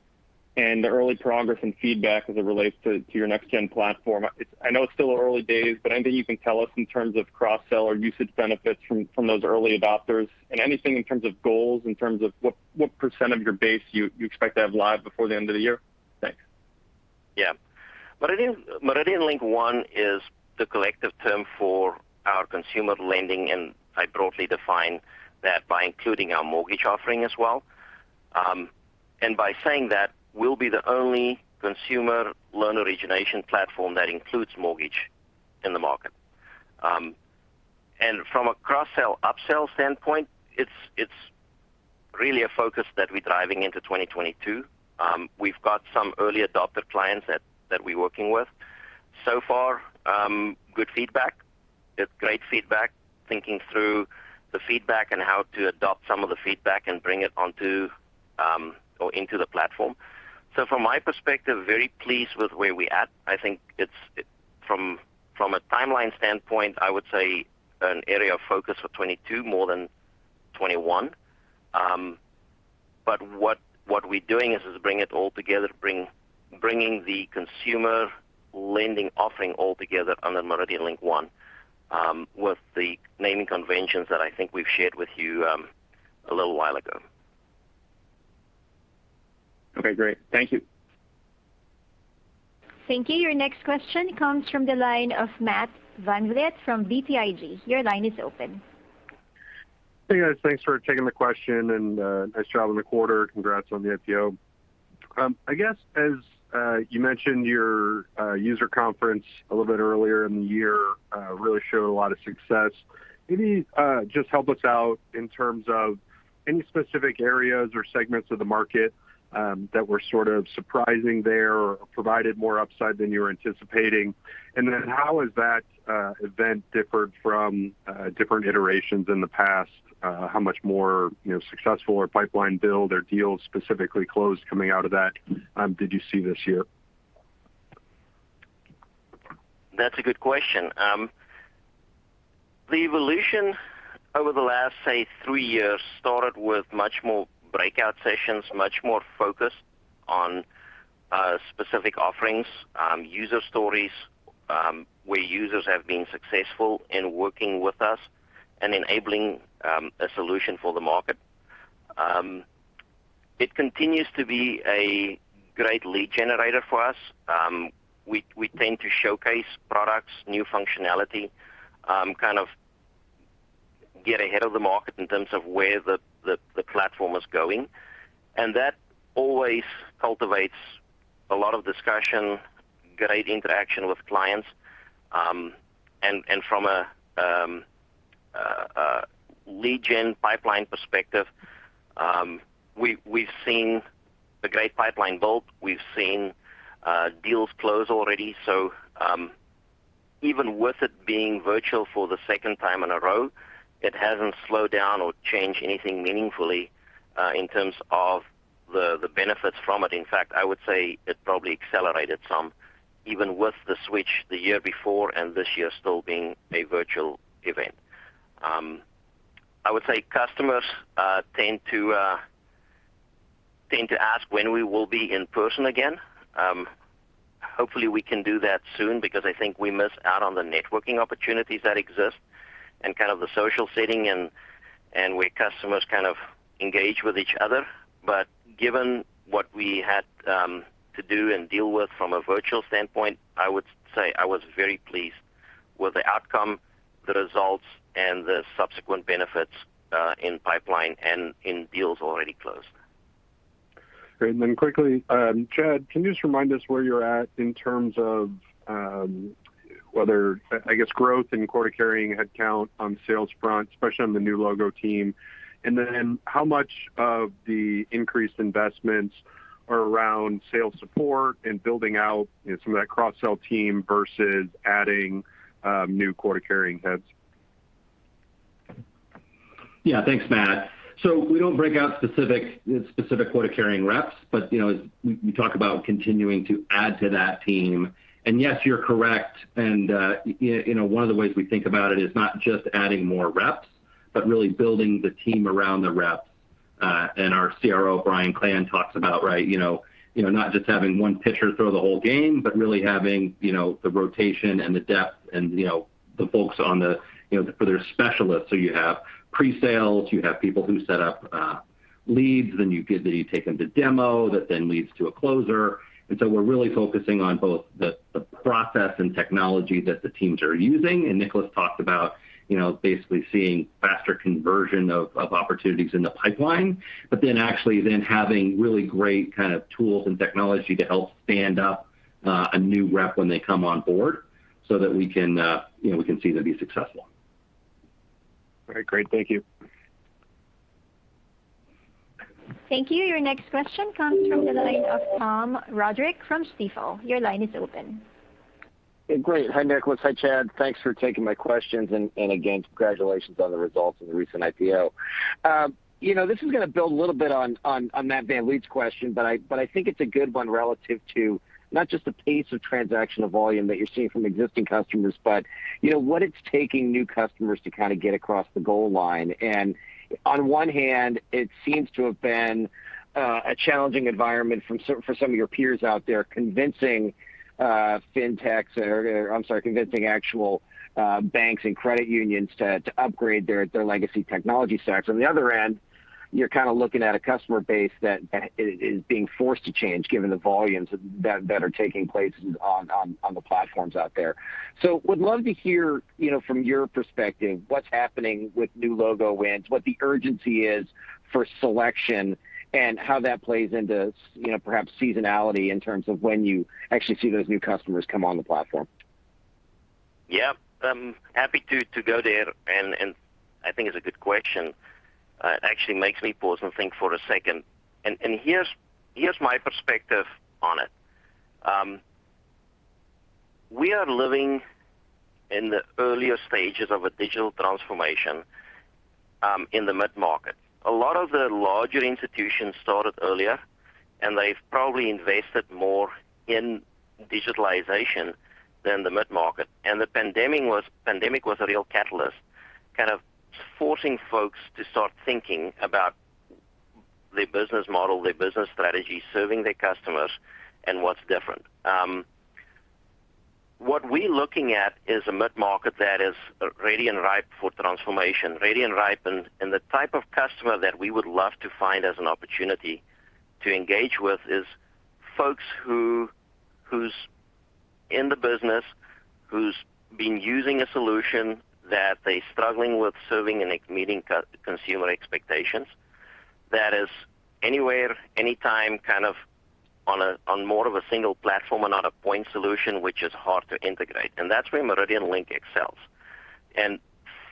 and the early progress and feedback as it relates to your next-gen platform. I know it's still early days, but anything you can tell us in terms of cross-sell or usage benefits from those early adopters, and anything in terms of goals, in terms of what % of your base you expect to have live before the end of the year? Thanks.
Yeah. MeridianLink One is the collective term for our consumer lending. I broadly define that by including our mortgage offering as well. By saying that, we'll be the only consumer loan origination platform that includes mortgage in the market. From a cross-sell, upsell standpoint, it's really a focus that we're driving into 2022. We've got some early adopter clients that we're working with. Far, good feedback. It's great feedback. Thinking through the feedback and how to adopt some of the feedback and bring it onto or into the platform. From my perspective, very pleased with where we at. I think from a timeline standpoint, I would say an area of focus for 2022 more than 2021. What we're doing is bring it all together. Bringing the consumer lending offering all together under MeridianLink One with the naming conventions that I think we've shared with you a little while ago.
Okay, great. Thank you.
Thank you. Your next question comes from the line of Matthew VanVliet from BTIG. Your line is open.
Hey, guys. Thanks for taking the question. Nice job on the quarter. Congrats on the IPO. As you mentioned, your user conference a little bit earlier in the year really showed a lot of success. Maybe just help us out in terms of any specific areas or segments of the market that were sort of surprising there or provided more upside than you were anticipating. How has that event differed from different iterations in the past? How much more successful or pipeline build or deals specifically closed coming out of that did you see this year?
That's a good question. The evolution over the last, say, three years started with much more breakout sessions, much more focused on specific offerings, user stories where users have been successful in working with us and enabling a solution for the market. It continues to be a great lead generator for us. We tend to showcase products, new functionality, kind of get ahead of the market in terms of where the platform is going. That always cultivates a lot of discussion, great interaction with clients. From a lead gen pipeline perspective, we've seen a great pipeline build. We've seen deals close already. Even with it being virtual for the second time in a row, it hasn't slowed down or changed anything meaningfully in terms of the benefits from it. In fact, I would say it probably accelerated some, even with the switch the year before and this year still being a virtual event. I would say customers tend to ask when we will be in person again. Hopefully, we can do that soon because I think we miss out on the networking opportunities that exist and kind of the social setting and where customers kind of engage with each other. Given what we had to do and deal with from a virtual standpoint, I would say I was very pleased with the outcome, the results, and the subsequent benefits in pipeline and in deals already closed.
Great. Quickly, Chad, can you just remind us where you're at in terms of whether, I guess, growth in quota-carrying headcount on the sales front, especially on the new logo team? How much of the increased investments are around sales support and building out some of that cross-sell team versus adding new quota-carrying heads?
Yeah. Thanks, Matt. We don't break out specific quota-carrying reps, but we talk about continuing to add to that team. Yes, you're correct. One of the ways we think about it is not just adding more reps, but really building the team around the reps. Our CRO, Brian Klein, talks about not just having one pitcher throw the whole game, but really having the rotation and the depth and the folks for their specialists. You have pre-sales, you have people who set up leads, then you take them to demo, that then leads to a closer. We're really focusing on both the process and technology that the teams are using. Nicolaas talked about basically seeing faster conversion of opportunities in the pipeline, but then actually having really great kind of tools and technology to help stand up a new rep when they come on board so that we can see them be successful.
All right, great. Thank you.
Thank you. Your next question comes from the line of Tom Roderick from Stifel. Your line is open.
Great. Hi, Nicolaas. Hi, Chad. Thanks for taking my questions, and again, congratulations on the results of the recent IPO. This is going to build a little bit on Matt VanVliet's question, but I think it's a good one relative to not just the pace of transactional volume that you're seeing from existing customers, but what it's taking new customers to kind of get across the goal line. On one hand, it seems to have been a challenging environment for some of your peers out there convincing actual banks and credit unions to upgrade their legacy technology stacks. On the other end, you're kind of looking at a customer base that is being forced to change given the volumes that are taking place on the platforms out there. Would love to hear from your perspective, what's happening with new logo wins, what the urgency is for selection, and how that plays into perhaps seasonality in terms of when you actually see those new customers come on the platform.
Yeah. Happy to go there. I think it's a good question. Actually makes me pause and think for a second. Here's my perspective on it. We are living in the earlier stages of a digital transformation in the mid-market. A lot of the larger institutions started earlier. They've probably invested more in digitalization than the mid-market. The pandemic was a real catalyst, kind of forcing folks to start thinking about their business model, their business strategy, serving their customers, and what's different. What we're looking at is a mid-market that is ready and ripe for transformation. Ready and ripe. The type of customer that we would love to find as an opportunity to engage with is folks who's in the business, who's been using a solution that they're struggling with serving and meeting consumer expectations. That is anywhere, anytime kind of on more of a single platform and not a point solution, which is hard to integrate. That's where MeridianLink excels.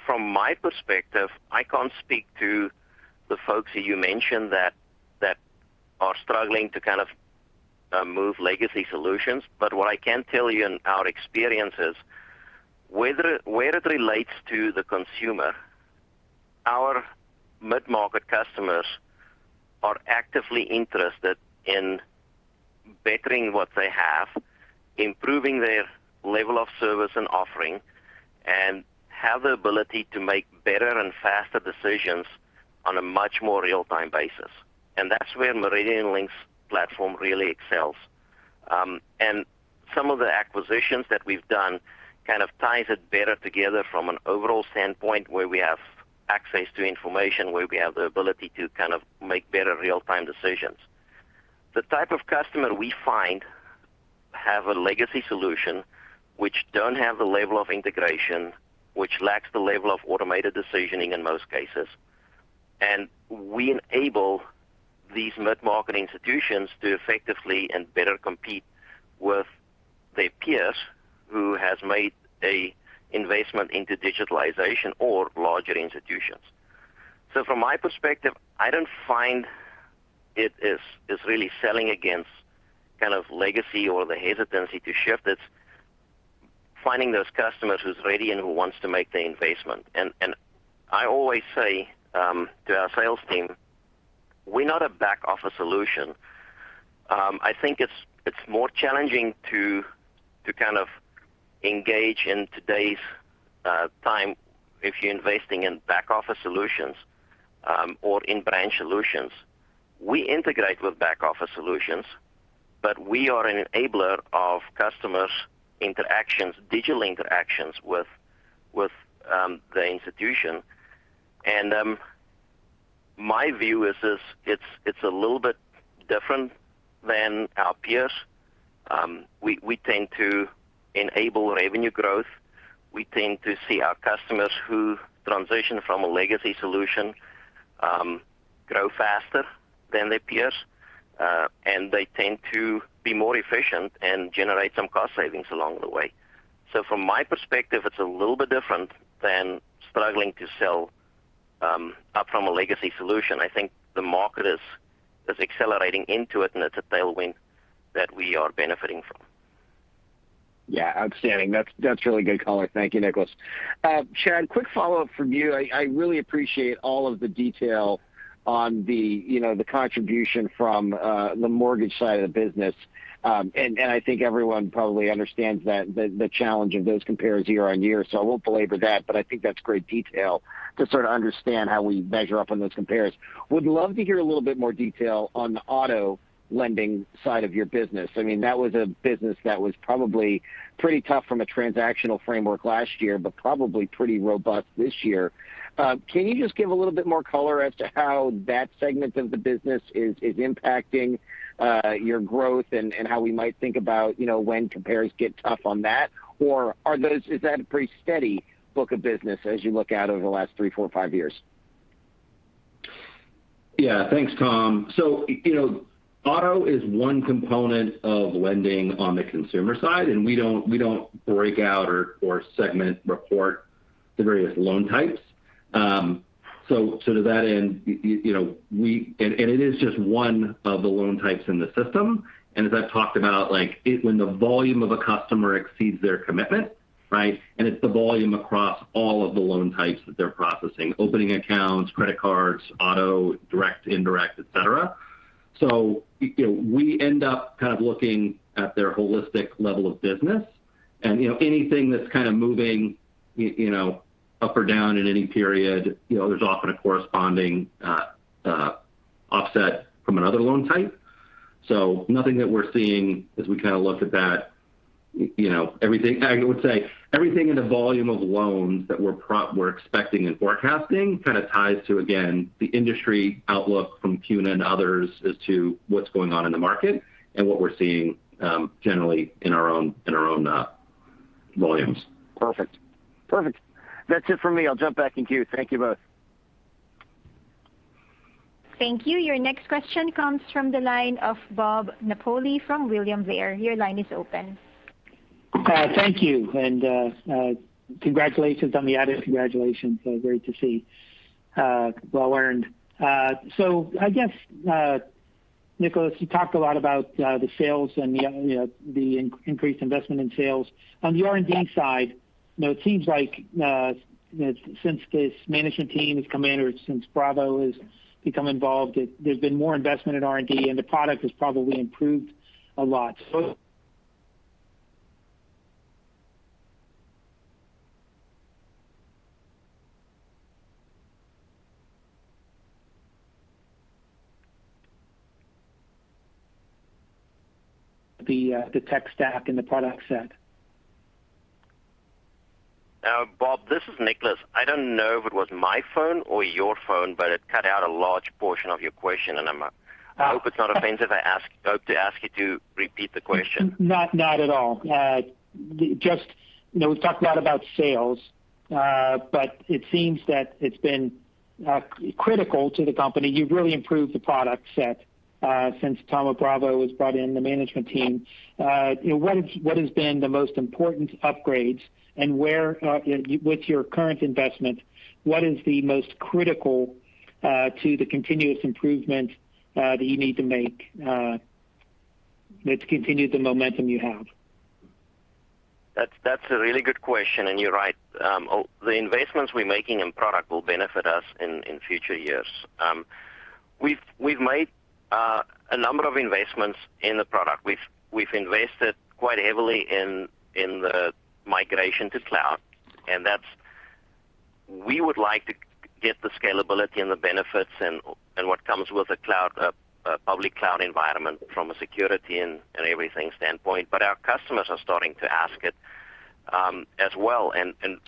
From my perspective, I can't speak to the folks that you mentioned that are struggling to kind of move legacy solutions. What I can tell you in our experience is where it relates to the consumer, our mid-market customers are actively interested in bettering what they have, improving their level of service and offering, and have the ability to make better and faster decisions on a much more real-time basis. That's where MeridianLink's platform really excels. Some of the acquisitions that we've done kind of ties it better together from an overall standpoint where we have access to information, where we have the ability to kind of make better real-time decisions. The type of customer we find have a legacy solution which do not have the level of integration, which lacks the level of automated decisioning in most cases. We enable these mid-market institutions to effectively and better compete with their peers who have made an investment into digitalization or larger institutions. From my perspective, I do not find it is really selling against kind of legacy or the hesitancy to shift. It is finding those customers who's ready and who wants to make the investment. I always say to our sales team, we are not a back-office solution. I think it is more challenging to kind of engage in today's time if you are investing in back-office solutions or in branch solutions. We integrate with back-office solutions, but we are an enabler of customers' interactions, digital interactions with the institution. My view is it is a little bit different than our peers. We tend to enable revenue growth. We tend to see our customers who transition from a legacy solution grow faster than their peers. They tend to be more efficient and generate some cost savings along the way. From my perspective, it's a little bit different than struggling to sell up from a legacy solution. I think the market is accelerating into it, and it's a tailwind that we are benefiting from.
Yeah, outstanding. That's really good color. Thank you, Nicolaas. Chad, quick follow-up from you. I really appreciate all of the detail on the contribution from the mortgage side of the business. I think everyone probably understands the challenge of those compares year-over-year, so I won't belabor that, but I think that's great detail to sort of understand how we measure up on those compares. Would love to hear a little bit more detail on the auto lending side of your business. That was a business that was probably pretty tough from a transactional framework last year, but probably pretty robust this year. Can you just give a little bit more color as to how that segment of the business is impacting your growth and how we might think about when compares get tough on that? Is that a pretty steady book of business as you look out over the last three, four, five years?
Yeah. Thanks, Tom. Auto is one component of lending on the consumer side, and we don't break out or segment report the various loan types. To that end, and it is just one of the loan types in the system, and as I've talked about, when the volume of a customer exceeds their commitment. It's the volume across all of the loan types that they're processing, opening accounts, credit cards, auto, direct, indirect, et cetera. We end up kind of looking at their holistic level of business and anything that's kind of moving up or down in any period, there's often a corresponding offset from another loan type. Nothing that we're seeing as we kind of look at that. I would say everything in the volume of loans that we're expecting and forecasting kind of ties to, again, the industry outlook from CUNA and others as to what's going on in the market and what we're seeing generally in our own volumes.
Perfect. That's it for me. I'll jump back in queue. Thank you both.
Thank you. Your next question comes from the line of Bob Napoli from William Blair. Your line is open.
Thank you, and congratulations on the audit. Congratulations. Great to see. Well earned. I guess, Nicolaas, you talked a lot about the sales and the increased investment in sales. On the R&D side, it seems like since this management team has come in or since Thoma Bravo has become involved, there's been more investment in R&D, and the product has probably improved a lot. The tech stack and the product set.
Bob, this is Nicolaas. I don't know if it was my phone or your phone, but it cut out a large portion of your question, and I hope it's not offensive. I hope to ask you to repeat the question.
Not at all. We've talked a lot about sales, but it seems that it's been critical to the company. You've really improved the product set since Thoma Bravo was brought in the management team. What has been the most important upgrades and with your current investment, what is the most critical to the continuous improvement that you need to make that's continued the momentum you have?
That's a really good question. You're right. The investments we're making in product will benefit us in future years. We've made a number of investments in the product. We've invested quite heavily in the migration to cloud, and we would like to get the scalability and the benefits and what comes with a public cloud environment from a security and everything standpoint. Our customers are starting to ask it as well.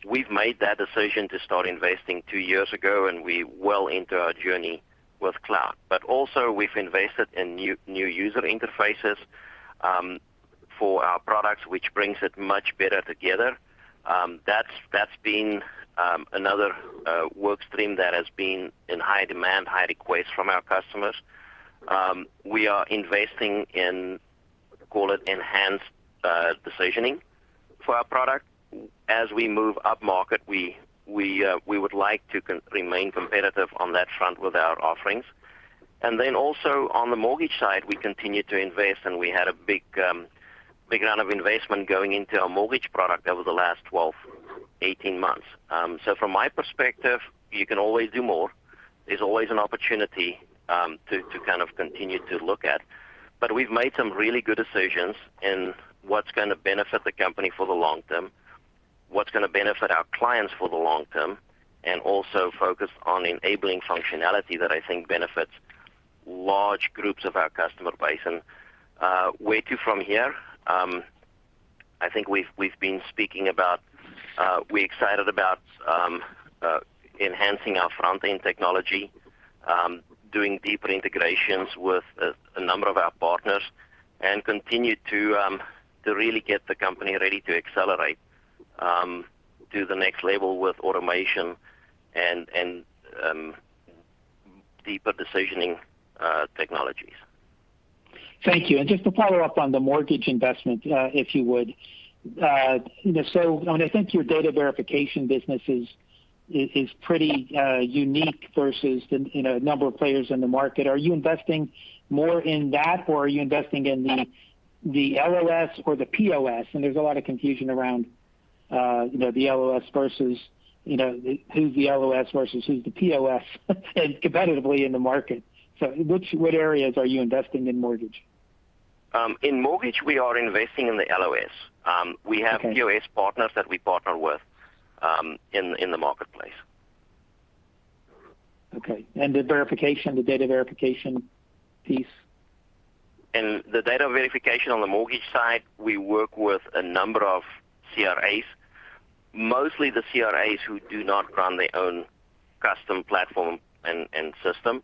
We've made that decision to start investing two years ago, and we're well into our journey with cloud. Also, we've invested in new user interfaces for our products, which brings it much better together. That's been another work stream that has been in high demand, high request from our customers. We are investing in, call it enhanced decisioning for our product. As we move upmarket, we would like to remain competitive on that front with our offerings. Then also on the mortgage side, we continue to invest, and we had a big round of investment going into our mortgage product over the last 12-18 months. From my perspective, you can always do more. There's always an opportunity to kind of continue to look at. We've made some really good decisions in what's going to benefit the company for the long term, what's going to benefit our clients for the long term, and also focus on enabling functionality that I think benefits large groups of our customer base. Where to from here? I think we've been speaking about we're excited about enhancing our front-end technology doing deeper integrations with a number of our partners and continue to really get the company ready to accelerate to the next level with automation and deeper decisioning technologies.
Thank you. Just to follow up on the mortgage investment if you would. When I think your data verification business is pretty unique versus the number of players in the market. Are you investing more in that or are you investing in the LOS or the POS? There's a lot of confusion around who's the LOS versus who's the POS competitively in the market. What areas are you investing in mortgage?
In mortgage, we are investing in the LOS.
Okay.
We have POS partners that we partner with in the marketplace.
Okay. The data verification piece?
In the data verification on the mortgage side, we work with a number of CRAs, mostly the CRAs who do not run their own custom platform and system.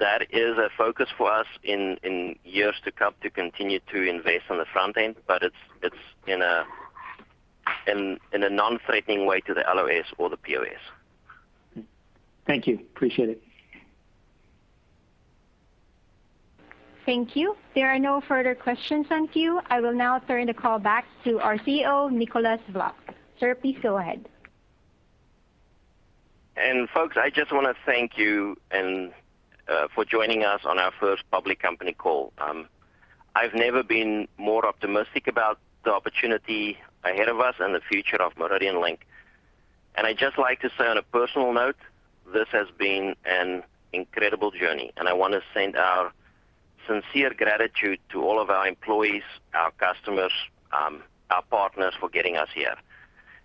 That is a focus for us in years to come to continue to invest on the front end, but it's in a non-threatening way to the LOS or the POS.
Thank you. Appreciate it.
Thank you. There are no further questions in queue. I will now turn the call back to our CEO, Nicolaas Vlok. Sir, please go ahead.
Folks, I just want to thank you for joining us on our first public company call. I've never been more optimistic about the opportunity ahead of us and the future of MeridianLink. I'd just like to say on a personal note, this has been an incredible journey, and I want to send our sincere gratitude to all of our employees, our customers, our partners for getting us here.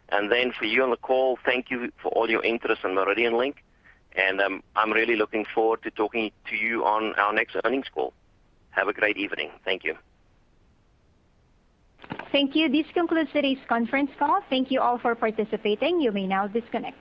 Then for you on the call, thank you for all your interest in MeridianLink, and I'm really looking forward to talking to you on our next earnings call. Have a great evening. Thank you.
Thank you. This concludes today's conference call. Thank you all for participating. You may now disconnect.